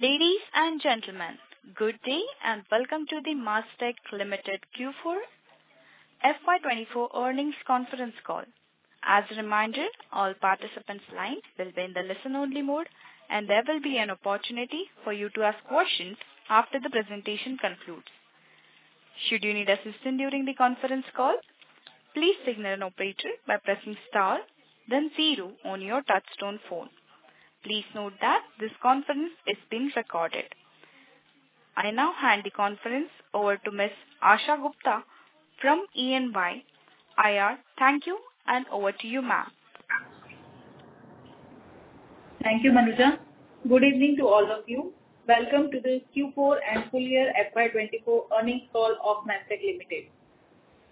Ladies and gentlemen, good day and welcome to the Mastek Ltd Q4 FY24 Earnings Conference Call. As a reminder, all participants' lines will be in the listen-only mode, and there will be an opportunity for you to ask questions after the presentation concludes. Should you need assistance during the conference call, please signal an operator by pressing star then zero on your touch-tone phone. Please note that this conference is being recorded. I now hand the conference over to Ms. Asha Gupta from E&Y IR, thank you, and over to you, ma'am. Thank you, Manuja. Good evening to all of you. Welcome to the Q4 and full-year FY24 Earnings Call of Mastek Ltd.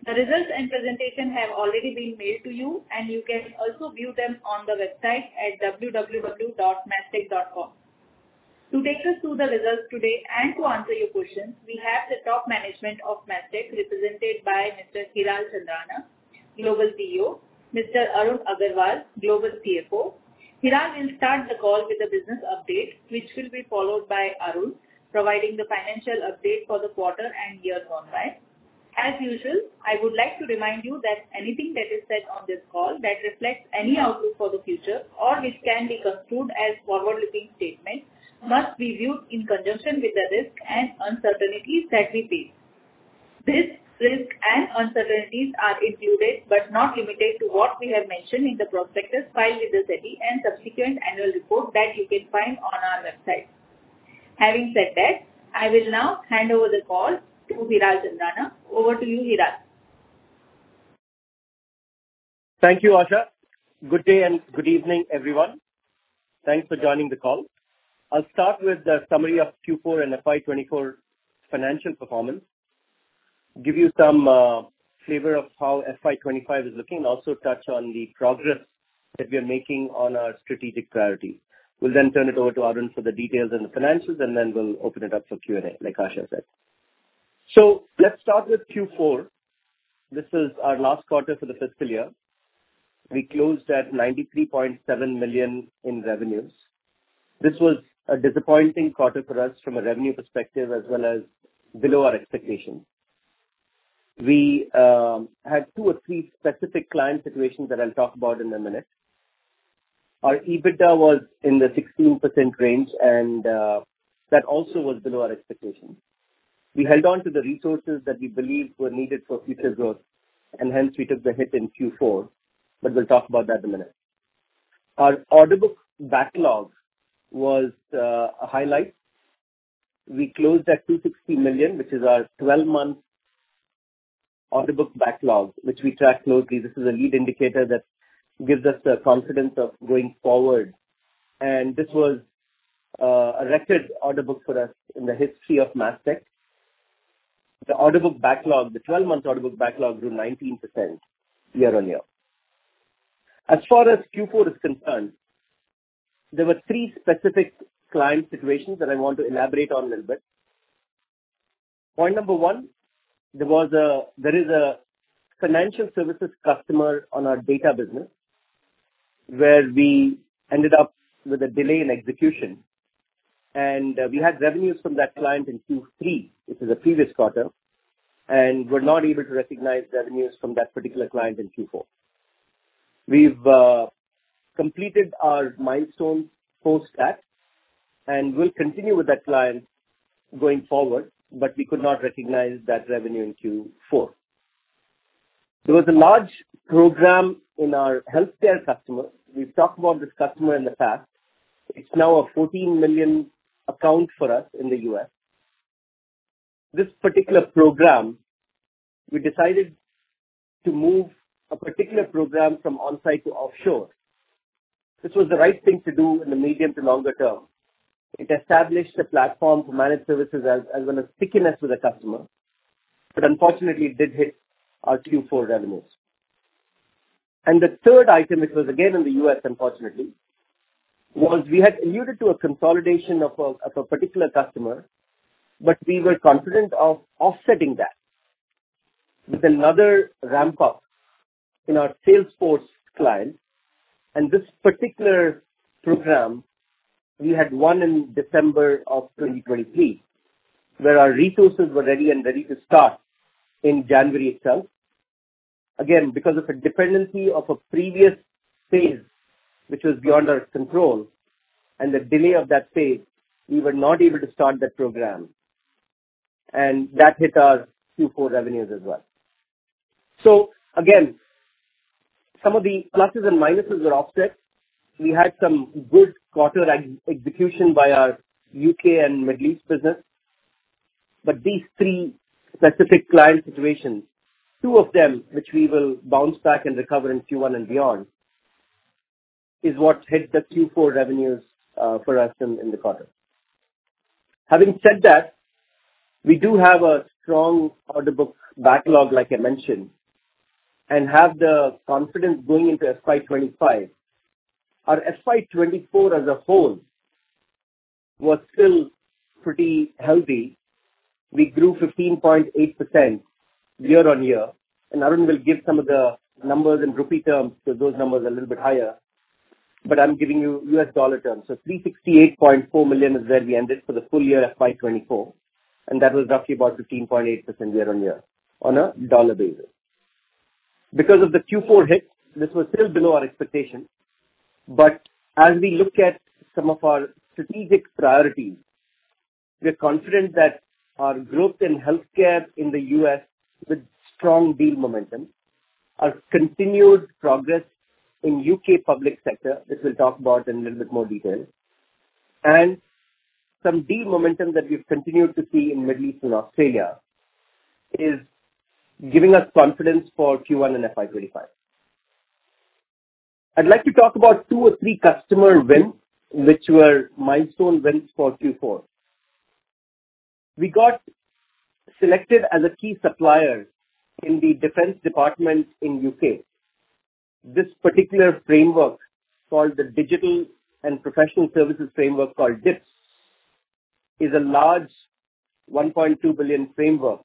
The results and presentation have already been mailed to you, and you can also view them on the website at www.mastek.com. To take us through the results today and to answer your questions, we have the top management of Mastek represented by Mr. Hiral Chandrana, Global CEO, Mr. Arun Agarwal, Global CFO. Hiral will start the call with a business update, which will be followed by Arun providing the financial update for the quarter and year gone by. As usual, I would like to remind you that anything that is said on this call that reflects any outlook for the future or which can be construed as forward-looking statements must be viewed in conjunction with the risk and uncertainties that we face. These risks and uncertainties are included but not limited to what we have mentioned in the prospectus filed with the SEBI and subsequent annual report that you can find on our website. Having said that, I will now hand over the call to Hiral Chandrana. Over to you, Hiral. Thank you, Asha. Good day and good evening, everyone. Thanks for joining the call. I'll start with the summary of Q4 and FY 2024 financial performance, give you some flavor of how FY 2025 is looking, and also touch on the progress that we are making on our strategic priorities. We'll then turn it over to Arun for the details and the financials, and then we'll open it up for Q&A, like Asha said. Let's start with Q4. This is our last quarter for the fiscal year. We closed at $93.7 million in revenues. This was a disappointing quarter for us from a revenue perspective as well as below our expectations. We had two or three specific client situations that I'll talk about in a minute. Our EBITDA was in the 16% range, and that also was below our expectations. We held on to the resources that we believed were needed for future growth, and hence we took the hit in Q4, but we'll talk about that in a minute. Our order book backlog was a highlight. We closed at $260 million, which is our 12-month order book backlog, which we track closely. This is a lead indicator that gives us the confidence of going forward. And this was a record order book for us in the history of Mastek. The 12-month order book backlog grew 19% year-on-year. As far as Q4 is concerned, there were three specific client situations that I want to elaborate on a little bit. Point number one, there is a financial services customer on our data business where we ended up with a delay in execution. We had revenues from that client in Q3, which is a previous quarter, and were not able to recognize revenues from that particular client in Q4. We've completed our milestone post-tax, and we'll continue with that client going forward, but we could not recognize that revenue in Q4. There was a large program in our healthcare customer. We've talked about this customer in the past. It's now a $14 million account for us in the U.S. This particular program, we decided to move a particular program from onsite to offshore. This was the right thing to do in the medium to longer term. It established a platform for managed services as well as stickiness with a customer, but unfortunately, it did hit our Q4 revenues. And the third item, which was again in the U.S., unfortunately, was we had alluded to a consolidation of a particular customer, but we were confident of offsetting that with another ramp-up in our Salesforce client. And this particular program, we had won in December of 2023 where our resources were ready and ready to start in January itself. Again, because of a dependency of a previous phase, which was beyond our control and the delay of that phase, we were not able to start that program. And that hit our Q4 revenues as well. So again, some of the pluses and minuses were offset. We had some good quarter execution by our U.K. and Middle East business. But these three specific client situations, two of them which we will bounce back and recover in Q1 and beyond, is what hit the Q4 revenues for us in the quarter. Having said that, we do have a strong order book backlog, like I mentioned, and have the confidence going into FY 2025. Our FY 2024 as a whole was still pretty healthy. We grew 15.8% year-on-year. Arun will give some of the numbers in rupee terms because those numbers are a little bit higher, but I'm giving you U.S. dollar terms. $368.4 million is where we ended for the full year FY 2024, and that was roughly about 15.8% year-on-year on a dollar basis. Because of the Q4 hit, this was still below our expectations. But as we look at some of our strategic priorities, we're confident that our growth in healthcare in the U.S. with strong deal momentum, our continued progress in U.K. public sector, which we'll talk about in a little bit more detail, and some deal momentum that we've continued to see in Middle East and Australia is giving us confidence for Q1 and FY 2025. I'd like to talk about two or three customer wins, which were milestone wins for Q4. We got selected as a key supplier in the defense department in U.K. This particular framework called the Digital and Professional Services Framework, called DIPS, is a large 1.2 billion framework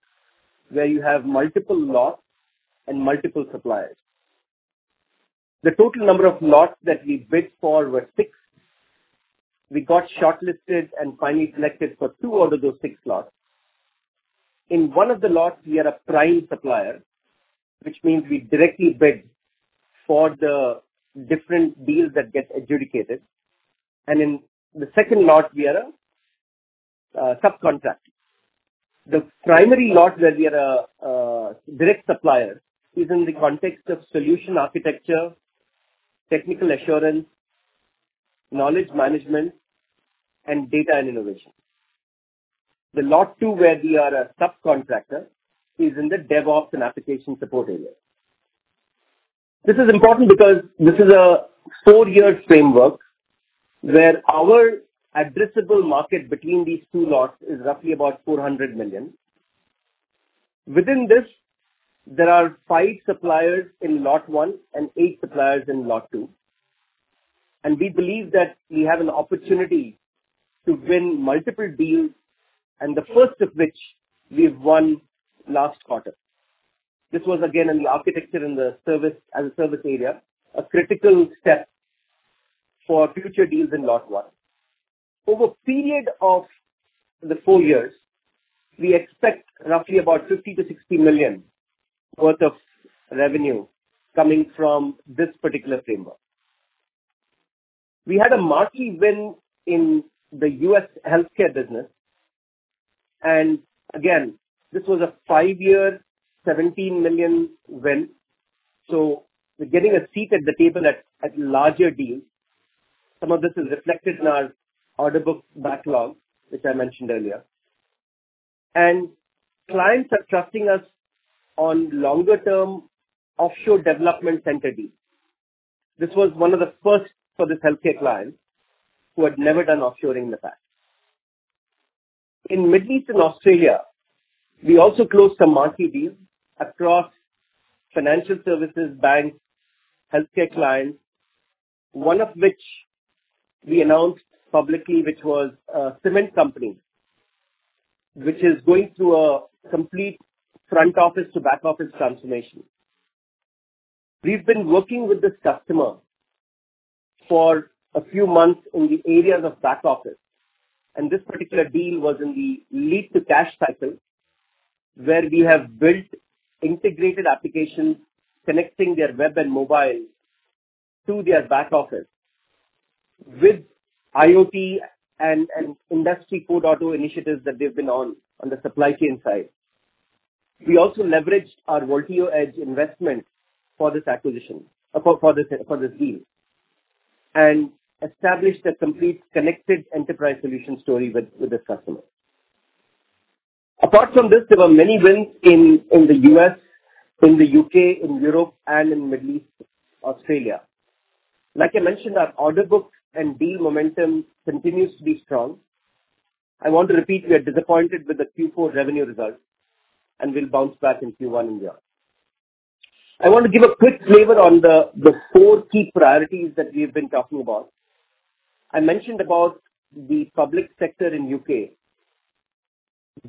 where you have multiple lots and multiple suppliers. The total number of lots that we bid for were six. We got shortlisted and finally selected for two out of those six lots. In one of the lots, we are a prime supplier, which means we directly bid for the different deals that get adjudicated. In the second lot, we are a subcontractor. The primary lot where we are a direct supplier is in the context of solution architecture, technical assurance, knowledge management, and data and innovation. The lot two where we are a subcontractor is in the DevOps and application support area. This is important because this is a four-year framework where our addressable market between these two lots is roughly about 400 million. Within this, there are five suppliers in lot one and eight suppliers in lot two. We believe that we have an opportunity to win multiple deals, and the first of which we've won last quarter. This was, again, in the architecture and the service as a service area, a critical step for future deals in lot one. Over a period of four years, we expect roughly about 50 million-60 million worth of revenue coming from this particular framework. We had a marked win in the U.S. healthcare business. And again, this was a five-year, $17 million win. So we're getting a seat at the table at larger deals. Some of this is reflected in our order book backlog, which I mentioned earlier. And clients are trusting us on longer-term offshore development center deals. This was one of the first for this healthcare client who had never done offshoring in the past. In Middle East and Australia, we also closed some marked deals across financial services, banks, healthcare clients, one of which we announced publicly, which was a cement company, which is going through a complete front office to back office transformation. We've been working with this customer for a few months in the areas of back office. And this particular deal was in the lead-to-cash cycle where we have built integrated applications connecting their web and mobile to their back office with IoT and Industry 4.0 initiatives that they've been on the supply chain side. We also leveraged our VolteoEdge investment for this acquisition for this deal and established a complete connected enterprise solution story with this customer. Apart from this, there were many wins in the U.S., in the U.K., in Europe, and in Middle East, Australia. Like I mentioned, our order book and deal momentum continues to be strong. I want to repeat, we are disappointed with the Q4 revenue results, and we'll bounce back in Q1 and beyond. I want to give a quick flavor on the four key priorities that we have been talking about. I mentioned about the public sector in U.K.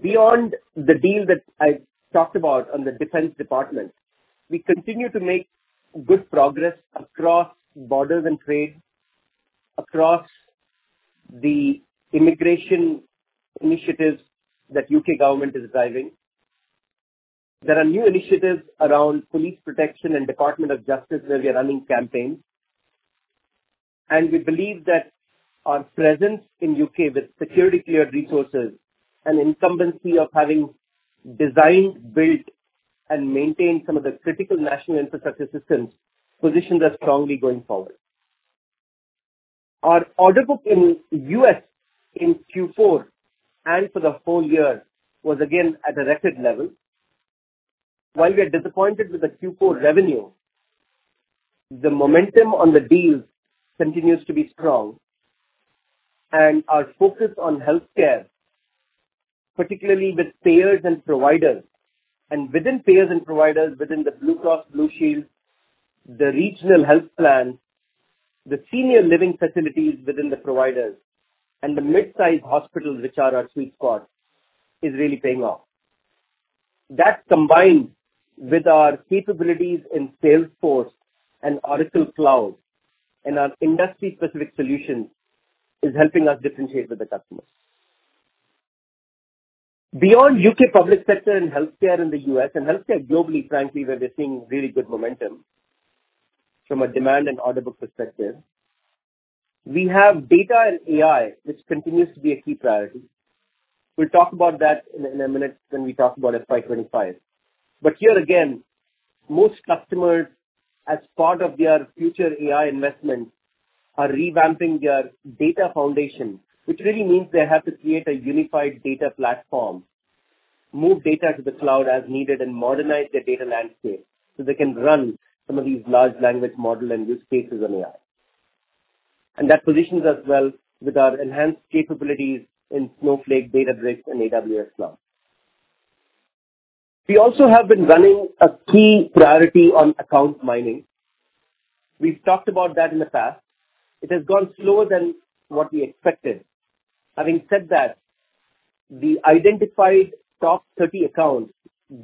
Beyond the deal that I talked about on the defense department, we continue to make good progress across borders and trade, across the immigration initiatives that the U.K. government is driving. There are new initiatives around police protection and Department of Justice where we are running campaigns. We believe that our presence in U.K. with security-cleared resources and incumbency of having designed, built, and maintained some of the critical national infrastructure systems positions us strongly going forward. Our order book in the U.S. in Q4 and for the whole year was, again, at a record level. While we are disappointed with the Q4 revenue, the momentum on the deals continues to be strong. Our focus on healthcare, particularly with payers and providers and within payers and providers, within the Blue Cross, Blue Shield, the regional health plans, the senior living facilities within the providers, and the midsize hospitals, which are our sweet spot, is really paying off. That combined with our capabilities in Salesforce and Oracle Cloud and our industry-specific solutions is helping us differentiate with the customers. Beyond U.K. public sector and healthcare in the U.S. and healthcare globally, frankly, where we're seeing really good momentum from a demand and order book perspective, we have data and AI, which continues to be a key priority. We'll talk about that in a minute when we talk about FY 2025. But here again, most customers, as part of their future AI investments, are revamping their data foundation, which really means they have to create a unified data platform, move data to the cloud as needed, and modernize their data landscape so they can run some of these large language model and use cases on AI. And that positions us well with our enhanced capabilities in Snowflake, Databricks, and AWS Cloud. We also have been running a key priority on account mining. We've talked about that in the past. It has gone slower than what we expected. Having said that, the identified top 30 accounts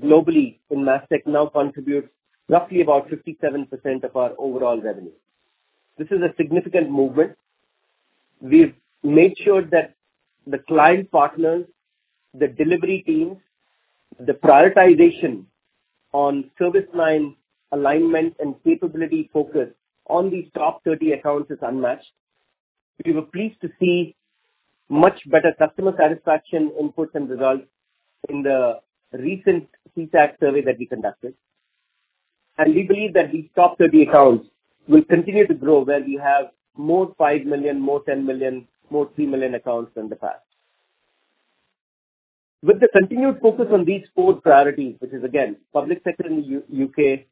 globally in Mastek now contribute roughly about 57% of our overall revenue. This is a significant movement. We've made sure that the client partners, the delivery teams, the prioritization on service line alignment and capability focus on these top 30 accounts is unmatched. We were pleased to see much better customer satisfaction inputs and results in the recent CSAT survey that we conducted. We believe that these top 30 accounts will continue to grow where we have more $5 million, more $10 million, more $3 million accounts than the past. With the continued focus on these four priorities, which is, again, public sector in the U.K.,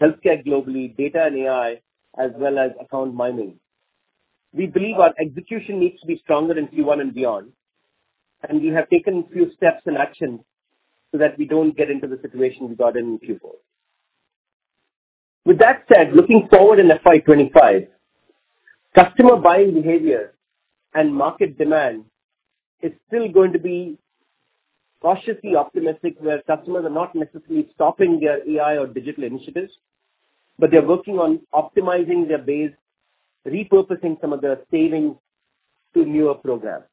healthcare globally, data and AI, as well as account mining, we believe our execution needs to be stronger in Q1 and beyond. We have taken a few steps in action so that we don't get into the situation we got in Q4. With that said, looking forward in FY 2025, customer buying behavior and market demand is still going to be cautiously optimistic where customers are not necessarily stopping their AI or digital initiatives, but they're working on optimizing their base, repurposing some of their savings to newer programs.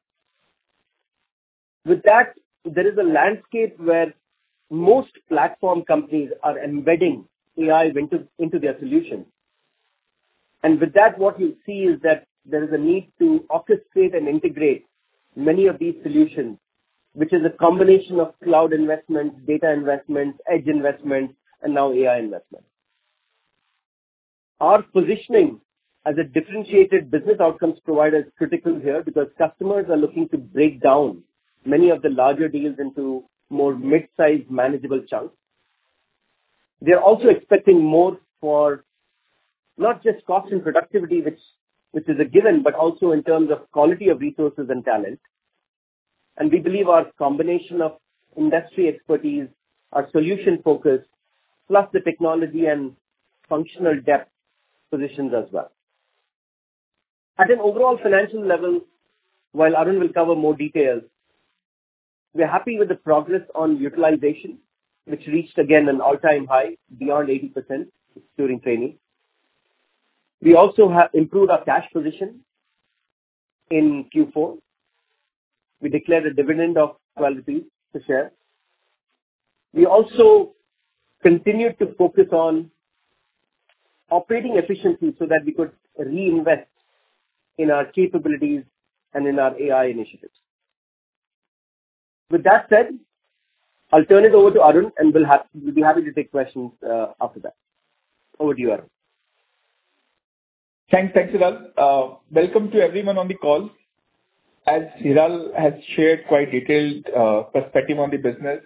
With that, there is a landscape where most platform companies are embedding AI into their solutions. And with that, what you'll see is that there is a need to orchestrate and integrate many of these solutions, which is a combination of cloud investments, data investments, edge investments, and now AI investments. Our positioning as a differentiated business outcomes provider is critical here because customers are looking to break down many of the larger deals into more midsize manageable chunks. They're also expecting more for not just cost and productivity, which is a given, but also in terms of quality of resources and talent. We believe our combination of industry expertise, our solution focus, plus the technology and functional depth positions us well. At an overall financial level, while Arun will cover more details, we're happy with the progress on utilization, which reached, again, an all-time high beyond 80% during the quarter. We also improved our cash position in Q4. We declared a dividend of 12 rupees per share. We also continued to focus on operating efficiency so that we could reinvest in our capabilities and in our AI initiatives. With that said, I'll turn it over to Arun, and we'll be happy to take questions after that. Over to you, Arun. Thanks, Hiral. Welcome to everyone on the call. As Hiral has shared quite a detailed perspective on the business,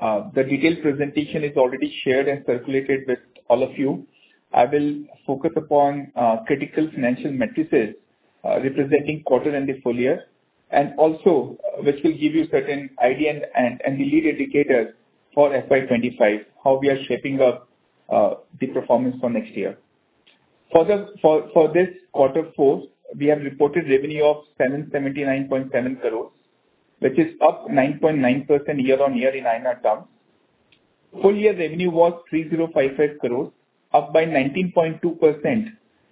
the detailed presentation is already shared and circulated with all of you. I will focus upon critical financial metrics representing quarter four and the full year, and also which will give you certain ideas and the lead indicators for FY 2025, how we are shaping up the performance for next year. For this quarter four, we have reported revenue of 779.7 crores, which is up 9.9% year-on-year in INR terms. Full-year revenue was 3,055 crores, up by 19.2%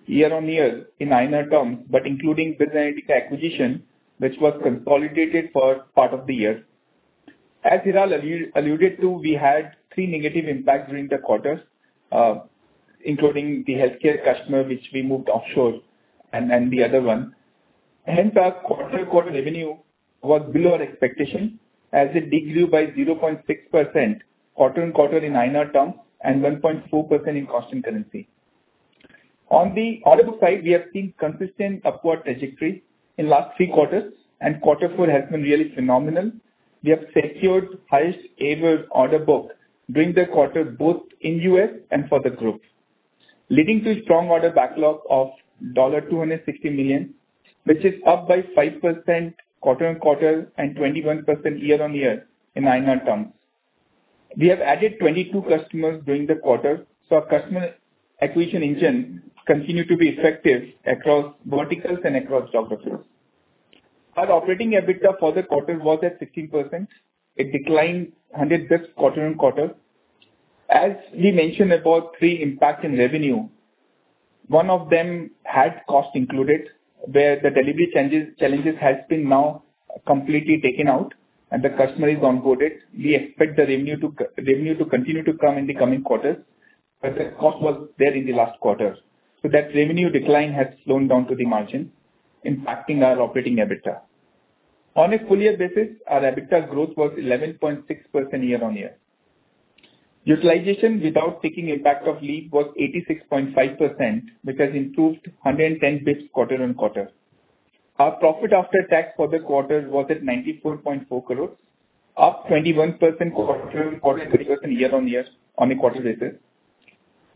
year-on-year in INR terms, but including BizAnalytica acquisition, which was consolidated for part of the year. As Hiral alluded to, we had three negative impacts during the quarters, including the healthcare customer, which we moved offshore, and the other one. Hence, our quarter-on-quarter revenue was below our expectation as it degrew by 0.6% quarter-on-quarter in INR terms and 1.4% in constant currency. On the order book side, we have seen consistent upward trajectory in the last three quarters, and quarter four has been really phenomenal. We have secured the highest-ever order book during the quarter, both in the U.S. and for the group, leading to a strong order backlog of $260 million, which is up by 5% quarter-on-quarter and 21% year-on-year in INR terms. We have added 22 customers during the quarter, so our customer acquisition engine continued to be effective across verticals and across geographies. Our operating EBITDA for the quarter was at 16%. It declined 100 bps quarter-on-quarter. As we mentioned about three impacts in revenue, one of them had cost included, where the delivery challenges have been now completely taken out and the customer is onboarded. We expect the revenue to continue to come in the coming quarters, but the cost was there in the last quarter. So that revenue decline has slowed down to the margin, impacting our operating EBITDA. On a full-year basis, our EBITDA growth was 11.6% year-on-year. Utilization without taking impact of leave was 86.5%, which has improved 110 basis points quarter-on-quarter. Our profit after tax for the quarter was at 94.4 crores, up 21% quarter-on-quarter and 30% year-on-year on a quarter basis.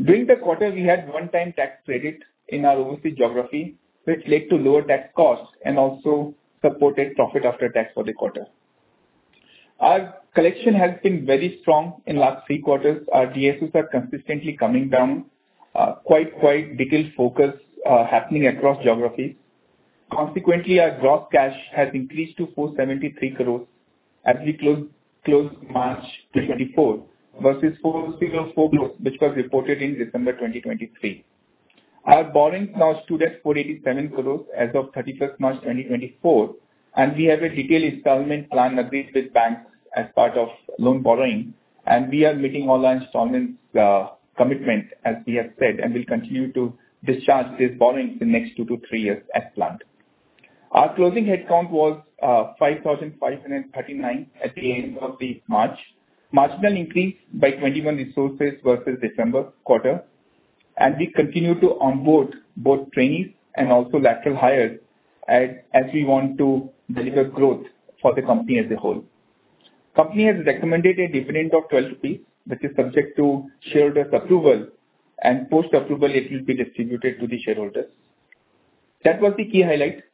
During the quarter, we had one-time tax credit in our overseas geography, which led to lower tax costs and also supported profit after tax for the quarter. Our collection has been very strong in the last three quarters. Our DSOs are consistently coming down, quite detailed focus happening across geographies. Consequently, our gross cash has increased to 473 crore as we closed March 2024 versus 404 crore, which was reported in December 2023. Our borrowings now stood at 487 crore as of 31st March 2024. We have a detailed installment plan agreed with banks as part of loan borrowing. We are meeting all our installment commitments, as we have said, and will continue to discharge these borrowings in the next two to three years as planned. Our closing headcount was 5,539 at the end of March, marginal increase by 21 resources versus December quarter. We continue to onboard both trainees and also lateral hires as we want to deliver growth for the company as a whole. The company has recommended a dividend of 12 rupees, which is subject to shareholders' approval. Post-approval, it will be distributed to the shareholders. That was the key highlight.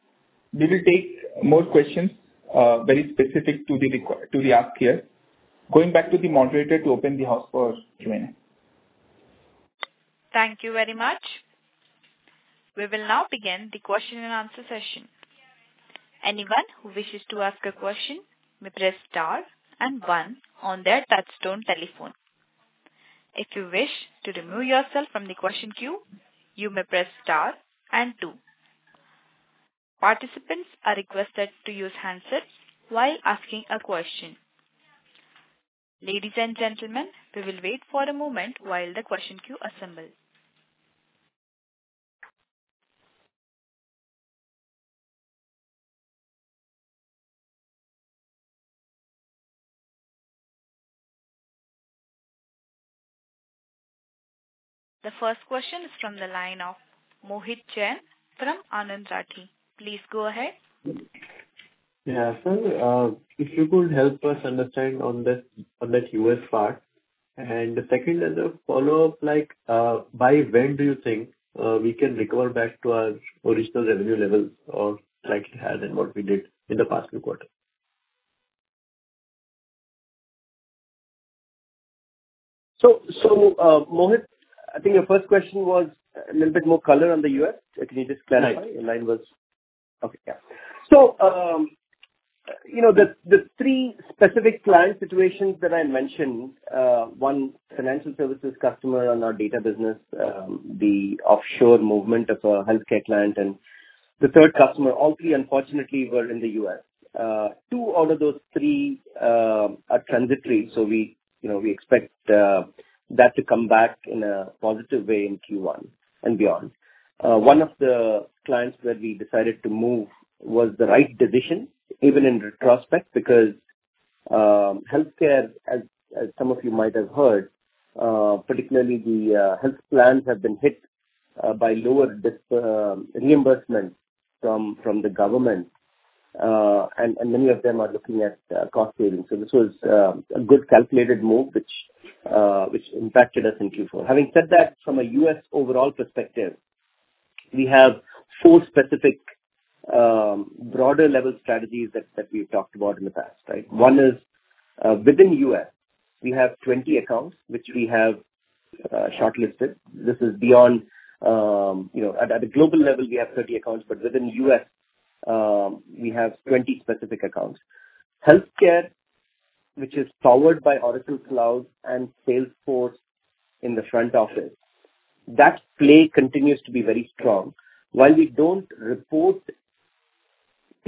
We will take more questions very specific to the ask here. Going back to the moderator to open the house for Q&A. Thank you very much. We will now begin the question-and-answer session. Anyone who wishes to ask a question may press star and one on their touch-tone telephone. If you wish to remove yourself from the question queue, you may press star and two. Participants are requested to use handsets while asking a question. Ladies and gentlemen, we will wait for a moment while the question queue assembles. The first question is from the line of Mohit Jain from Anand Rathi. Please go ahead. Yeah, sir. If you could help us understand on that U.S. part? And the second is a follow-up, by when do you think we can recover back to our original revenue levels or like we had and what we did in the past few quarters? Mohit, I think your first question was a little bit more color on the U.S. Can you just clarify? Yes. Okay. Yeah. So the three specific client situations that I mentioned, one financial services customer on our data business, the offshore movement of a healthcare client, and the third customer, all three, unfortunately, were in the U.S. Two out of those three are transitory, so we expect that to come back in a positive way in Q1 and beyond. One of the clients where we decided to move was the right decision, even in retrospect, because healthcare, as some of you might have heard, particularly the health plans, have been hit by lower reimbursement from the government. And many of them are looking at cost savings. So this was a good calculated move, which impacted us in Q4. Having said that, from a U.S. overall perspective, we have four specific broader-level strategies that we've talked about in the past, right? One is within the U.S., we have 20 accounts, which we have shortlisted. This is beyond at a global level, we have 30 accounts, but within the U.S., we have 20 specific accounts. Healthcare, which is powered by Oracle Cloud and Salesforce in the front office, that play continues to be very strong.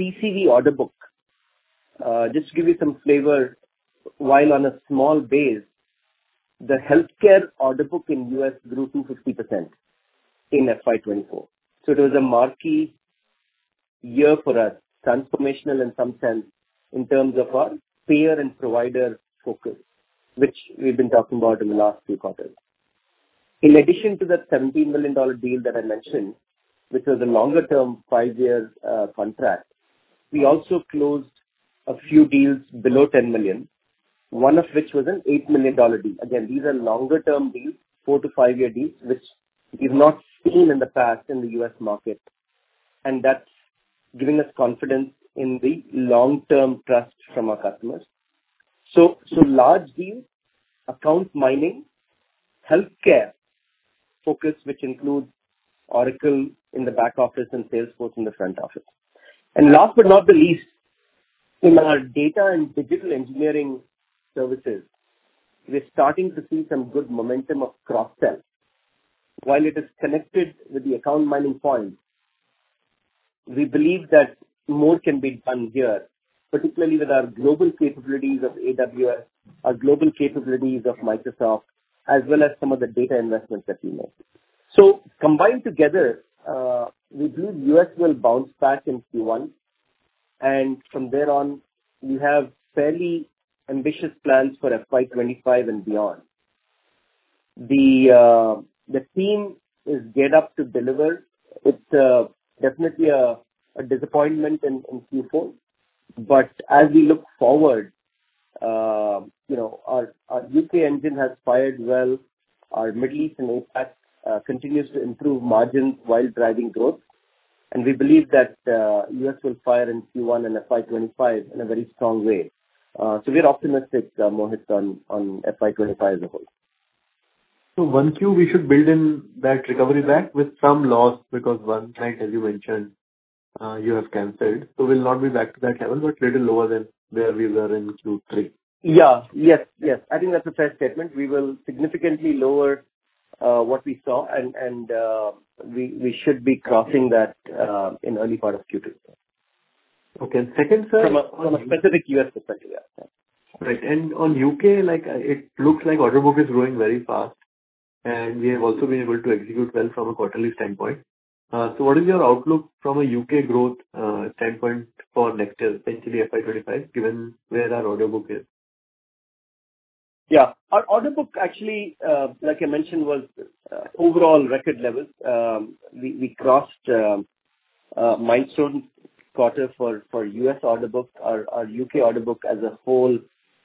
While we don't report PCV order book, just to give you some flavor, while on a small base, the healthcare order book in the U.S. grew 250% in FY 2024. So it was a marquee year for us, transformational in some sense in terms of our payer and provider focus, which we've been talking about in the last few quarters. In addition to that $17 million deal that I mentioned, which was a longer-term, five-year contract, we also closed a few deals below $10 million, one of which was an $8 million deal. Again, these are longer-term deals, four to five-year deals, which is not seen in the past in the U.S. market. And that's giving us confidence in the long-term trust from our customers. So large deals, account mining, healthcare focus, which includes Oracle in the back office and Salesforce in the front office. And last but not the least, in our data and digital engineering services, we're starting to see some good momentum of cross-sell. While it is connected with the account mining point, we believe that more can be done here, particularly with our global capabilities of AWS, our global capabilities of Microsoft, as well as some of the data investments that we make. So combined together, we believe the U.S. will bounce back in Q1. And from there on, we have fairly ambitious plans for FY2025 and beyond. The theme is get up to deliver. It's definitely a disappointment in Q4. But as we look forward, our U.K. engine has fired well. Our Middle East and APAC continues to improve margins while driving growth. And we believe that the U.S. will fire in Q1 and FY 2025 in a very strong way. So we're optimistic, Mohit, on FY 2025 as a whole. So, one Q, we should build in that recovery back with some loss because one client, as you mentioned, you have canceled. So, we'll not be back to that level, but a little lower than where we were in Q3. Yeah. Yes, yes. I think that's a fair statement. We will significantly lower what we saw, and we should be crossing that in the early part of Q2. Okay. Second, sir. From a specific U.S. perspective, yeah. Right. And on the U.K., it looks like the order book is growing very fast, and we have also been able to execute well from a quarterly standpoint. So what is your outlook from a U.K. growth standpoint for next year, potentially FY 2025, given where our order book is? Yeah. Our order book, actually, like I mentioned, was overall record levels. We crossed a milestone quarter for the U.S. order book. Our U.K. order book as a whole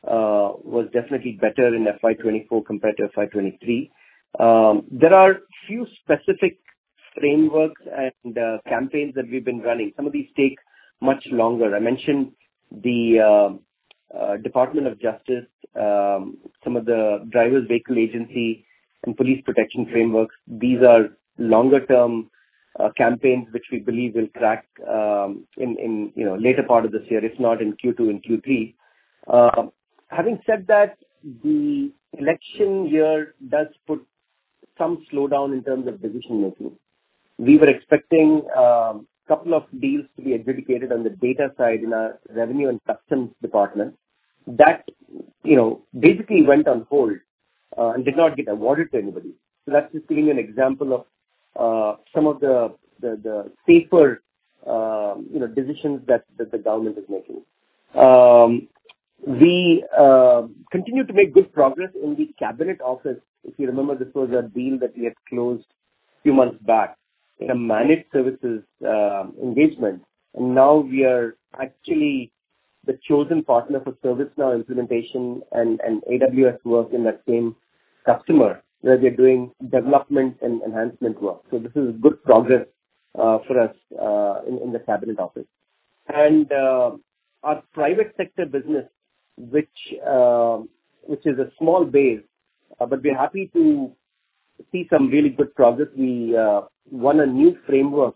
was definitely better in FY 2024 compared to FY 2023. There are a few specific frameworks and campaigns that we've been running. Some of these take much longer. I mentioned the Department of Justice, some of the Driver and Vehicle Agency, and police protection frameworks. These are longer-term campaigns, which we believe will crack in the later part of this year, if not in Q2 and Q3. Having said that, the election year does put some slowdown in terms of decision-making. We were expecting a couple of deals to be adjudicated on the data side in our Revenue and Customs department. That basically went on hold and did not get awarded to anybody. So that's just giving you an example of some of the safer decisions that the government is making. We continue to make good progress in the Cabinet Office. If you remember, this was a deal that we had closed a few months back in a managed services engagement. And now we are actually the chosen partner for ServiceNow implementation and AWS work in that same customer where they're doing development and enhancement work. So this is good progress for us in the Cabinet Office. And our private sector business, which is a small base, but we're happy to see some really good progress. We won a new framework,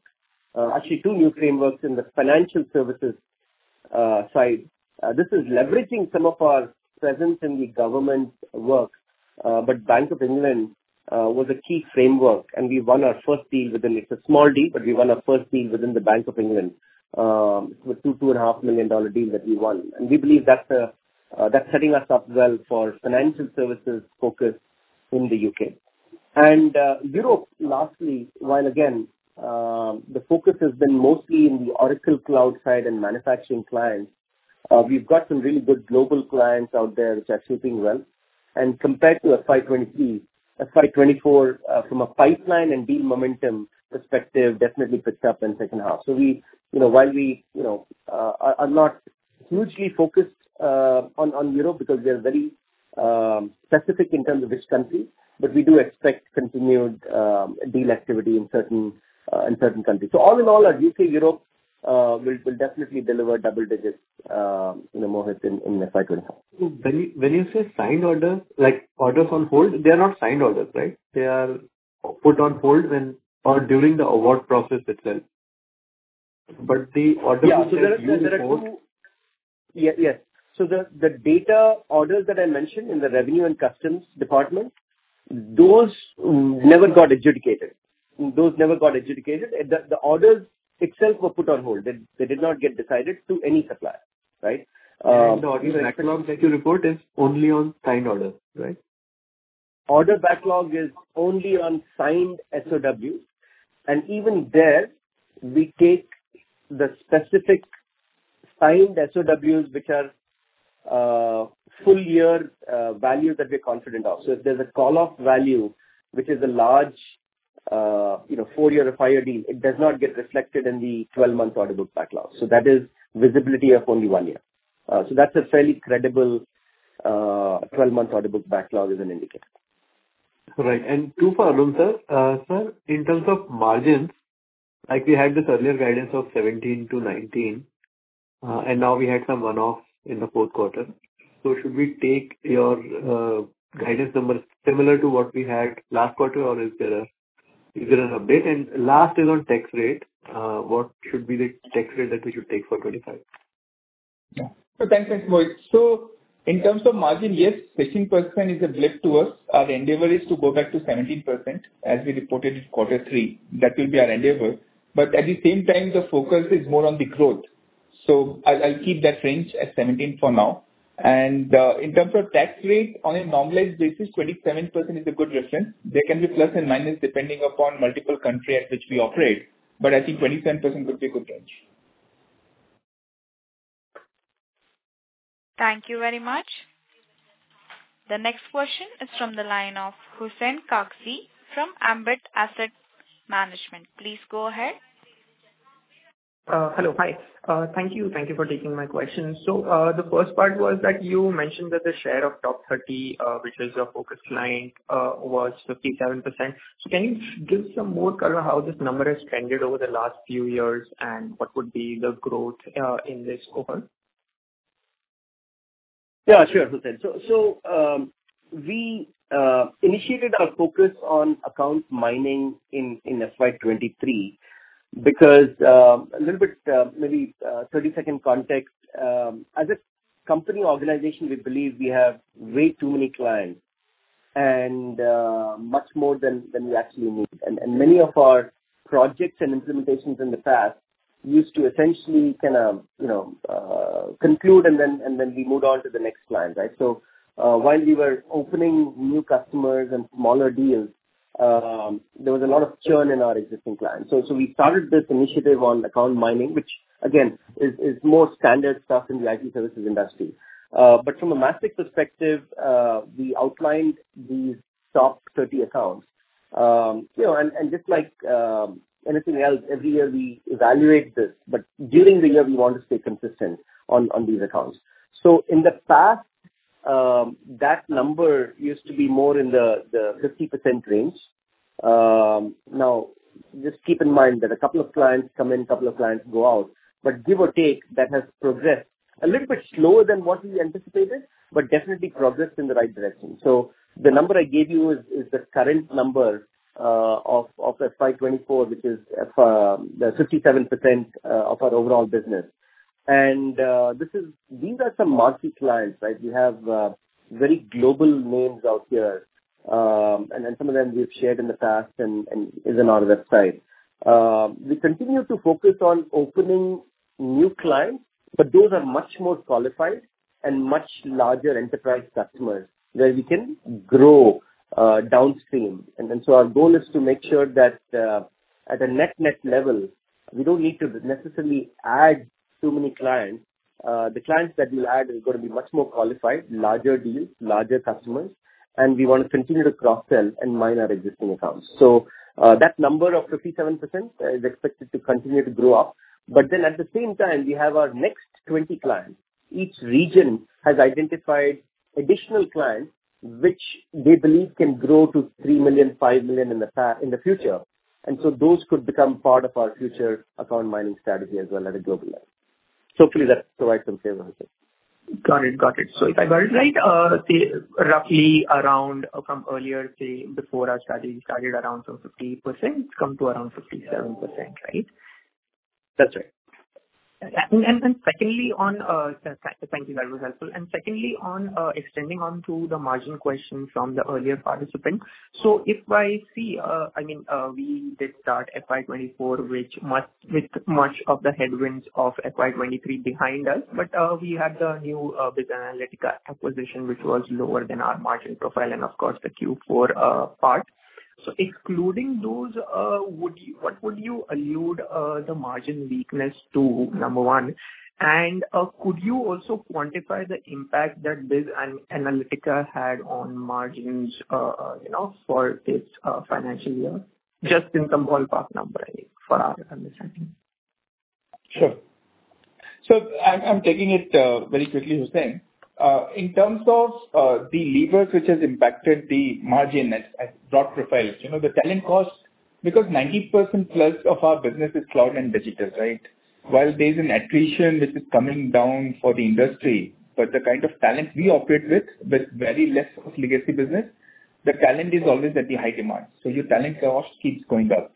actually, two new frameworks in the financial services side. This is leveraging some of our presence in the government work, but Bank of England was a key framework, and we won our first deal within it. It's a small deal, but we won our first deal within the Bank of England. It was a $2.25 million deal that we won. And we believe that's setting us up well for financial services focus in the U.K. And Europe, lastly, while again, the focus has been mostly in the Oracle Cloud side and manufacturing clients, we've got some really good global clients out there, which are scaling well. And compared to FY 2023, FY 2024, from a pipeline and deal momentum perspective, definitely picked up in the second half. So while we are not hugely focused on Europe because we are very specific in terms of which country, but we do expect continued deal activity in certain countries. All in all, our U.K. and Europe will definitely deliver double digits, Mohit, in FY 2025. When you say signed orders, like orders on hold, they are not signed orders, right? They are put on hold or during the award process itself. But the order process. Yeah. So there are two. Yeah. Yes. So the data orders that I mentioned in the revenue and customs department, those never got adjudicated. Those never got adjudicated. The orders itself were put on hold. They did not get decided to any supplier, right? The order backlog that you report is only on signed orders, right? Order backlog is only on signed SOWs. And even there, we take the specific signed SOWs, which are full-year values that we're confident of. So if there's a call-off value, which is a large four-year or five-year deal, it does not get reflected in the 12-month order book backlog. So that is visibility of only one year. So that's a fairly credible 12-month order book backlog as an indicator. Right. And to you, Arun, sir. Sir, in terms of margins, we had this earlier guidance of 17%-19%, and now we had some one-offs in the fourth quarter. So should we take your guidance numbers similar to what we had last quarter, or is there an update? And last is on tax rate. What should be the tax rate that we should take for 2025? Yeah. So thanks, Mohit. So in terms of margin, yes, 15% is a blip to us. Our endeavor is to go back to 17% as we reported in quarter three. That will be our endeavor. But at the same time, the focus is more on the growth. So I'll keep that range at 17% for now. And in terms of tax rate, on a normalized basis, 27% is a good reference. There can be plus and minus depending upon multiple countries at which we operate. But I think 27% would be a good range. Thank you very much. The next question is from the line of Hussain Kagzi from Ambit Asset Management. Please go ahead. Hello. Hi. Thank you. Thank you for taking my question. So the first part was that you mentioned that the share of top 30, which is your focus client, was 57%. So can you give some more color on how this number has trended over the last few years and what would be the growth in this overall? Yeah. Sure, Hussain. So we initiated our focus on account mining in FY 2023 because a little bit maybe 30-second context. As a company organization, we believe we have way too many clients and much more than we actually need. And many of our projects and implementations in the past used to essentially kind of conclude, and then we moved on to the next client, right? So while we were opening new customers and smaller deals, there was a lot of churn in our existing clients. So we started this initiative on account mining, which, again, is more standard stuff in the IT services industry. But from a Mastek perspective, we outlined these top 30 accounts. And just like anything else, every year, we evaluate this, but during the year, we want to stay consistent on these accounts. So in the past, that number used to be more in the 50% range. Now, just keep in mind that a couple of clients come in, a couple of clients go out. But give or take, that has progressed a little bit slower than what we anticipated, but definitely progressed in the right direction. So the number I gave you is the current number of FY 2024, which is the 57% of our overall business. And these are some market clients, right? We have very global names out here, and some of them we've shared in the past and are on our website. We continue to focus on opening new clients, but those are much more qualified and much larger enterprise customers where we can grow downstream. And so our goal is to make sure that at a net-net level, we don't need to necessarily add too many clients. The clients that we'll add are going to be much more qualified, larger deals, larger customers. We want to continue to cross-sell and mine our existing accounts. That number of 57% is expected to continue to grow up. Then at the same time, we have our next 20 clients. Each region has identified additional clients, which they believe can grow to $3 million, $5 million in the future. Those could become part of our future account mining strategy as well at a global level. Hopefully, that provides some favor, Hussain. Got it. Got it. So if I got it right, roughly around from earlier, say, before our strategy started, around some 50%, come to around 57%, right? That's right. Secondly, thank you. That was helpful. Secondly, extending onto the margin question from the earlier participant, so if I see—I mean, we did start FY 2024 with much of the headwinds of FY 2023 behind us, but we had the new BizAnalytica acquisition, which was lower than our margin profile and, of course, the Q4 part. So excluding those, what would you allude the margin weakness to, number one? And could you also quantify the impact that BizAnalytica had on margins for this financial year? Just in some ballpark number, I mean, for our understanding. Sure. So I'm taking it very quickly, Hussain. In terms of the levers which have impacted the margin at broad profiles, the talent cost because 90%+ of our business is cloud and digital, right? While there's an attrition which is coming down for the industry, but the kind of talent we operate with, with very less of legacy business, the talent is always at the high demand. So your talent cost keeps going up,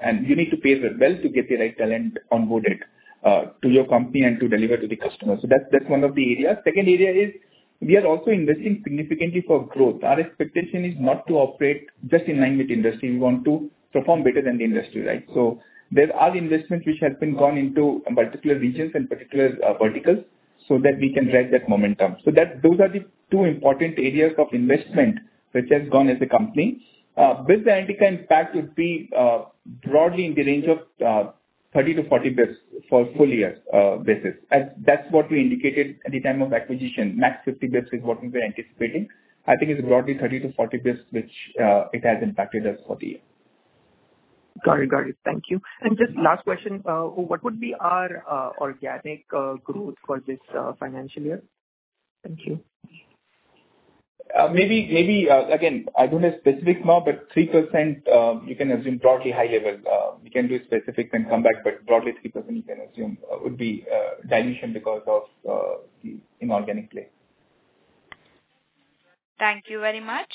and you need to pay well to get the right talent onboarded to your company and to deliver to the customer. So that's one of the areas. Second area is we are also investing significantly for growth. Our expectation is not to operate just in nine-minute industry. We want to perform better than the industry, right? There are investments which have been gone into particular regions and particular verticals so that we can drive that momentum. Those are the two important areas of investment which has gone as a company. BizAnalytica impact would be broadly in the range of 30 bps-40 bps for full-year basis. That's what we indicated at the time of acquisition. Max 50 bps is what we were anticipating. I think it's broadly 30 bps-40 bps which it has impacted us for the year. Got it. Got it. Thank you. Just last question. What would be our organic growth for this financial year? Thank you. Maybe, again, I don't have specifics now, but 3%, you can assume broadly high level. We can do specifics and come back, but broadly, 3%, you can assume would be dilution because of the inorganic play. Thank you very much.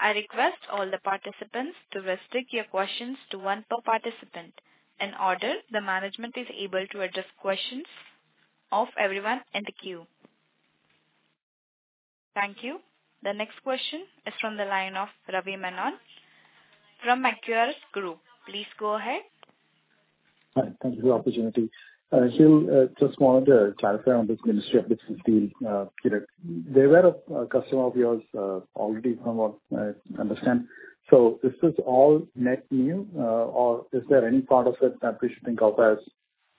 I request all the participants to restrict your questions to one per participant in order the management is able to address questions of everyone in the queue. Thank you. The next question is from the line of Ravi Menon from Macquarie Group. Please go ahead. Thank you for the opportunity. Here's just one clarifier on this Ministry of Business deal. They were a customer of yours already from what I understand. So is this all net new, or is there any part of it that we should think of as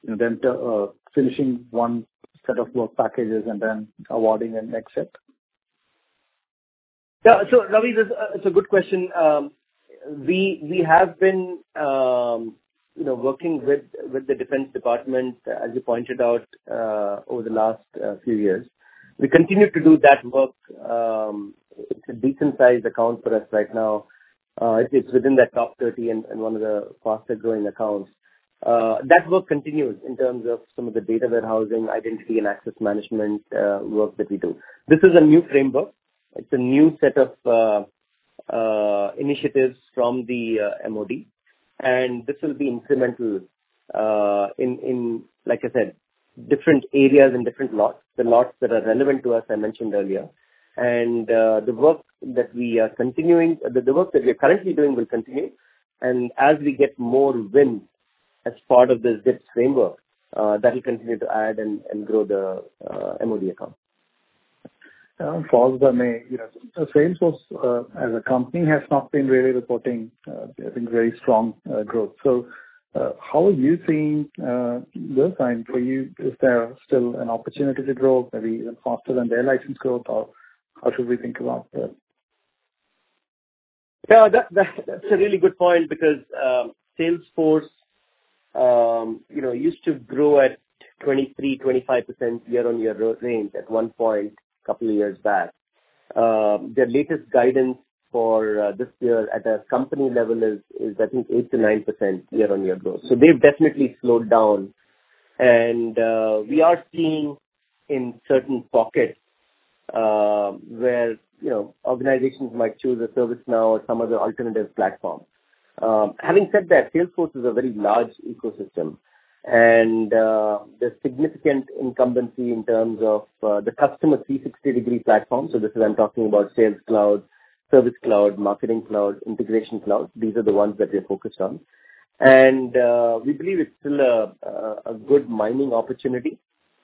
them finishing one set of work packages and then awarding a next set? Yeah. So Ravi, it's a good question. We have been working with the Defense Department, as you pointed out, over the last few years. We continue to do that work. It's a decent-sized account for us right now. It's within that top 30 and one of the faster-growing accounts. That work continues in terms of some of the data warehousing, identity, and access management work that we do. This is a new framework. It's a new set of initiatives from the MOD. And this will be incremental in, like I said, different areas and different lots, the lots that are relevant to us I mentioned earlier. And the work that we're currently doing will continue. And as we get more wins as part of this DIPS framework, that will continue to add and grow the MOD account. Follow up on that. Salesforce, as a company, has not been really reporting, I think, very strong growth. How are you seeing this, and for you, is there still an opportunity to grow, maybe even faster than their license growth, or how should we think about that? Yeah. That's a really good point because Salesforce used to grow at 23%-25% year-on-year range at one point a couple of years back. Their latest guidance for this year at a company level is, I think, 8%-9% year-on-year growth. So they've definitely slowed down. And we are seeing in certain pockets where organizations might choose a ServiceNow or some other alternative platform. Having said that, Salesforce is a very large ecosystem, and there's significant incumbency in terms of the customer 360-degree platform. So this is, I'm talking about Sales Cloud, Service Cloud, Marketing Cloud, Integration Cloud. These are the ones that we're focused on. And we believe it's still a good mining opportunity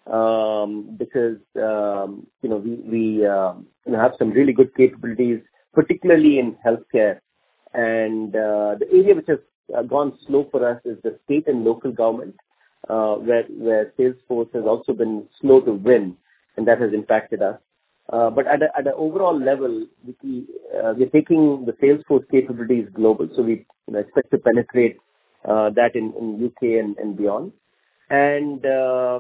because we have some really good capabilities, particularly in healthcare. And the area which has gone slow for us is the state and local government where Salesforce has also been slow to win, and that has impacted us. But at an overall level, we're taking the Salesforce capabilities global. So we expect to penetrate that in the U.K. and beyond. And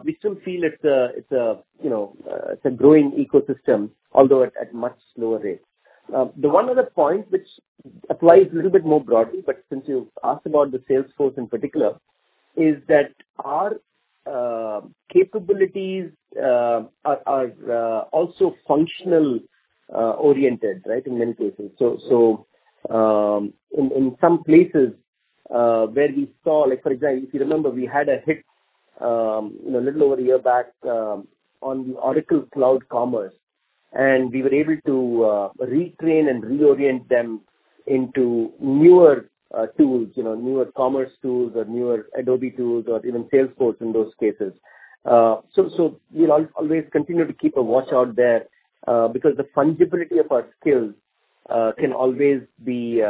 we still feel it's a growing ecosystem, although at much slower rates. The one other point which applies a little bit more broadly, but since you've asked about the Salesforce in particular, is that our capabilities are also functional-oriented, right, in many cases. So in some places where we saw for example, if you remember, we had a hit a little over a year back on the Oracle Cloud Commerce, and we were able to retrain and reorient them into newer tools, newer commerce tools or newer Adobe tools or even Salesforce in those cases. So we'll always continue to keep a watch out there because the fungibility of our skills can always be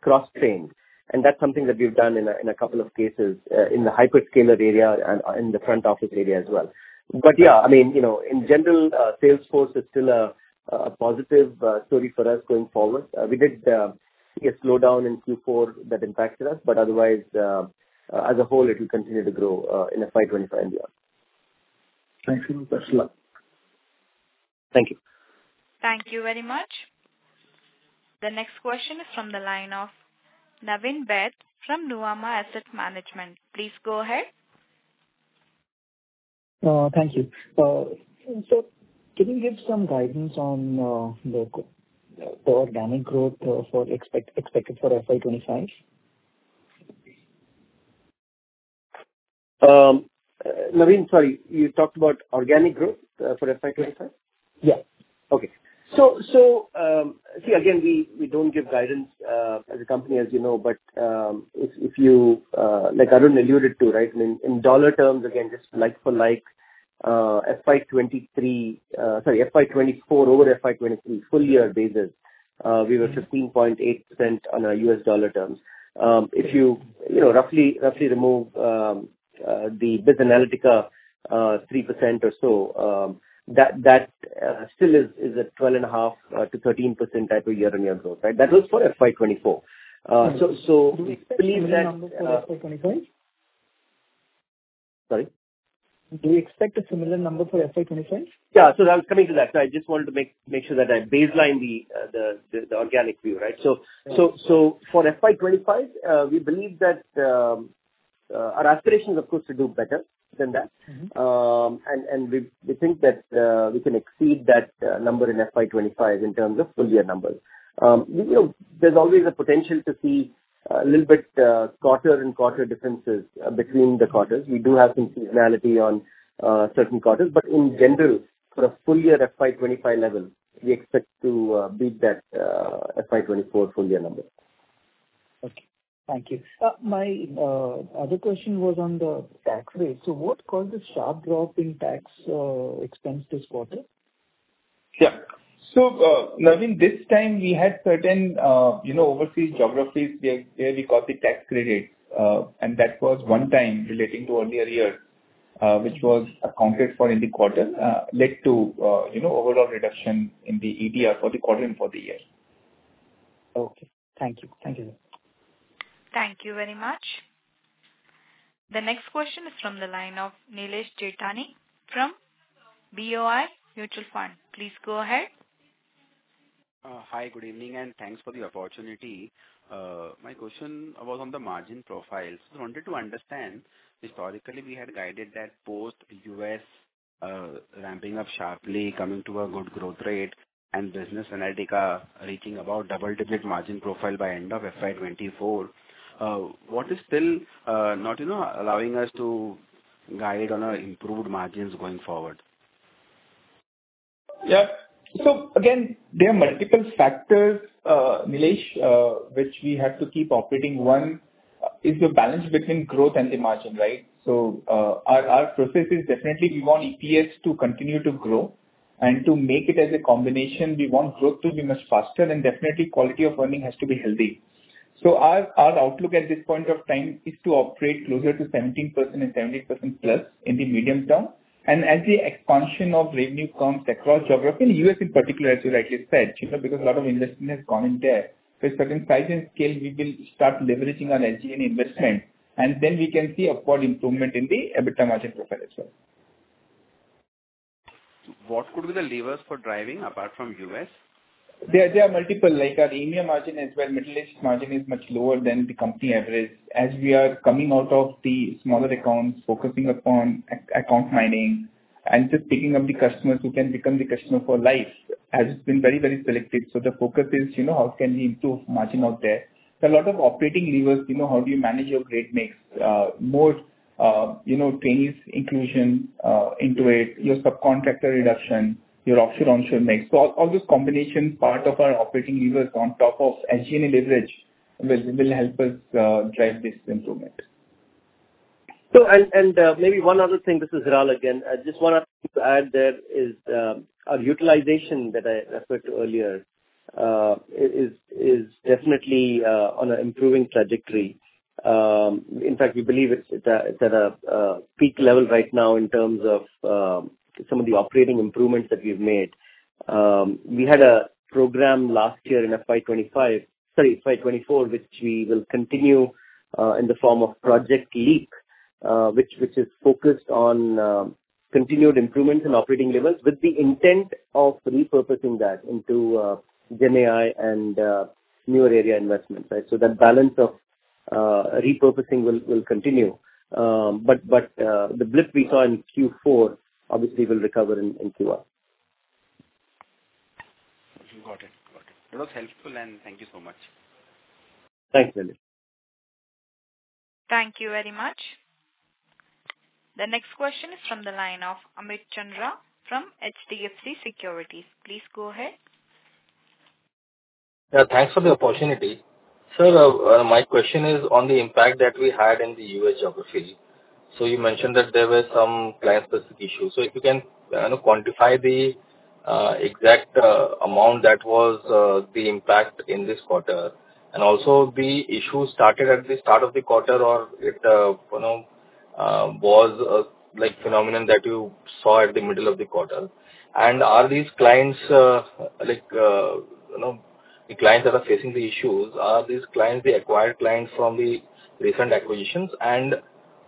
cross-trained. And that's something that we've done in a couple of cases in the hyperscaler area and in the front office area as well. But yeah, I mean, in general, Salesforce is still a positive story for us going forward. We did see a slowdown in Q4 that impacted us. But otherwise, as a whole, it will continue to grow in FY 2025 and beyond. Thank you. Best of luck. Thank you. Thank you very much. The next question is from the line of Naveen Baid from Nuvama Asset Management. Please go ahead. Thank you. So can you give some guidance on the organic growth expected for FY 2025? Naveen, sorry. You talked about organic growth for FY 2025? Yes. Okay. So see, again, we don't give guidance as a company, as you know. But if you like Arun alluded to, right, I mean, in dollar terms, again, just like-for-like, FY 2023 sorry, FY 2024 over FY 2023, full-year basis, we were 15.8% on U.S. dollar terms. If you roughly remove the BizAnalytica 3% or so, that still is a 12.5%-13% type of year-on-year growth, right? That was for FY 2024. So we believe that. Do you expect a similar number for FY 2025? FY 2025? Sorry. Sorry. Yeah. So I was coming to that. So I just wanted to make sure that I baseline the organic view, right? So for FY 2025, we believe that our aspiration is, of course, to do better than that. And we think that we can exceed that number in FY 2025 in terms of full-year numbers. There's always a potential to see a little bit quarter-and-quarter differences between the quarters. We do have some seasonality on certain quarters. But in general, for a full-year FY 2025 level, we expect to beat that FY 2024 full-year number. Okay. Thank you. My other question was on the tax rate. So what caused the sharp drop in tax expense this quarter? Yeah. So Naveen, this time, we had certain overseas geographies where we got the tax credit. And that was one time relating to earlier years, which was accounted for in the quarter, led to overall reduction in the ETR for the quarter and for the year. Okay. Thank you. Thank you. Thank you very much. The next question is from the line of Nilesh Jethani from BOI Mutual Fund. Please go ahead. Hi. Good evening, and thanks for the opportunity. My question was on the margin profiles. I wanted to understand, historically, we had guided that post-US ramping up sharply, coming to a good growth rate, and BizAnalytica reaching about double-digit margin profile by end of FY 2024. What is still not allowing us to guide on improved margins going forward? Yeah. So again, there are multiple factors, Nilesh, which we have to keep operating. One is the balance between growth and the margin, right? So our process is definitely we want EPS to continue to grow. And to make it as a combination, we want growth to be much faster, and definitely, quality of earnings has to be healthy. So our outlook at this point of time is to operate closer to 17% and 70%+ in the medium term. And as the expansion of revenue comes across geography, in the U.S. in particular, as you rightly said, because a lot of investment has gone in there, with certain size and scale, we will start leveraging our SG&A investment. And then we can see upward improvement in the EBITDA margin profile as well. What could be the levers for driving, apart from U.S.? There are multiple, like our EMEA margin as well. Middle East margin is much lower than the company average. As we are coming out of the smaller accounts, focusing upon account mining and just picking up the customers who can become the customer for life, as it's been very, very selective. So the focus is, how can we improve margin out there? There are a lot of operating levers. How do you manage your grade mix? More trainees inclusion into it, your subcontractor reduction, your offshore-onshore mix? So all those combinations, part of our operating levers on top of SG&A leverage will help us drive this improvement. And maybe one other thing. This is Hiral again. Just one other thing to add there is our utilization that I referred to earlier is definitely on an improving trajectory. In fact, we believe it's at a peak level right now in terms of some of the operating improvements that we've made. We had a program last year in FY 2025 sorry, FY 2024, which we will continue in the form of Project LEAP, which is focused on continued improvements in operating levels with the intent of repurposing that into GenAI and newer area investments, right? So that balance of repurposing will continue. But the blip we saw in Q4 obviously will recover in Q1. Got it. Got it. That was helpful, and thank you so much. Thanks, Naveen. Thank you very much. The next question is from the line of Amit Chandra from HDFC Securities. Please go ahead. Yeah. Thanks for the opportunity. Sir, my question is on the impact that we had in the U.S. geography. So you mentioned that there were some client-specific issues. So if you can quantify the exact amount that was the impact in this quarter and also the issue started at the start of the quarter or it was a phenomenon that you saw at the middle of the quarter. And are these clients the clients that are facing the issues, are these clients the acquired clients from the recent acquisitions? And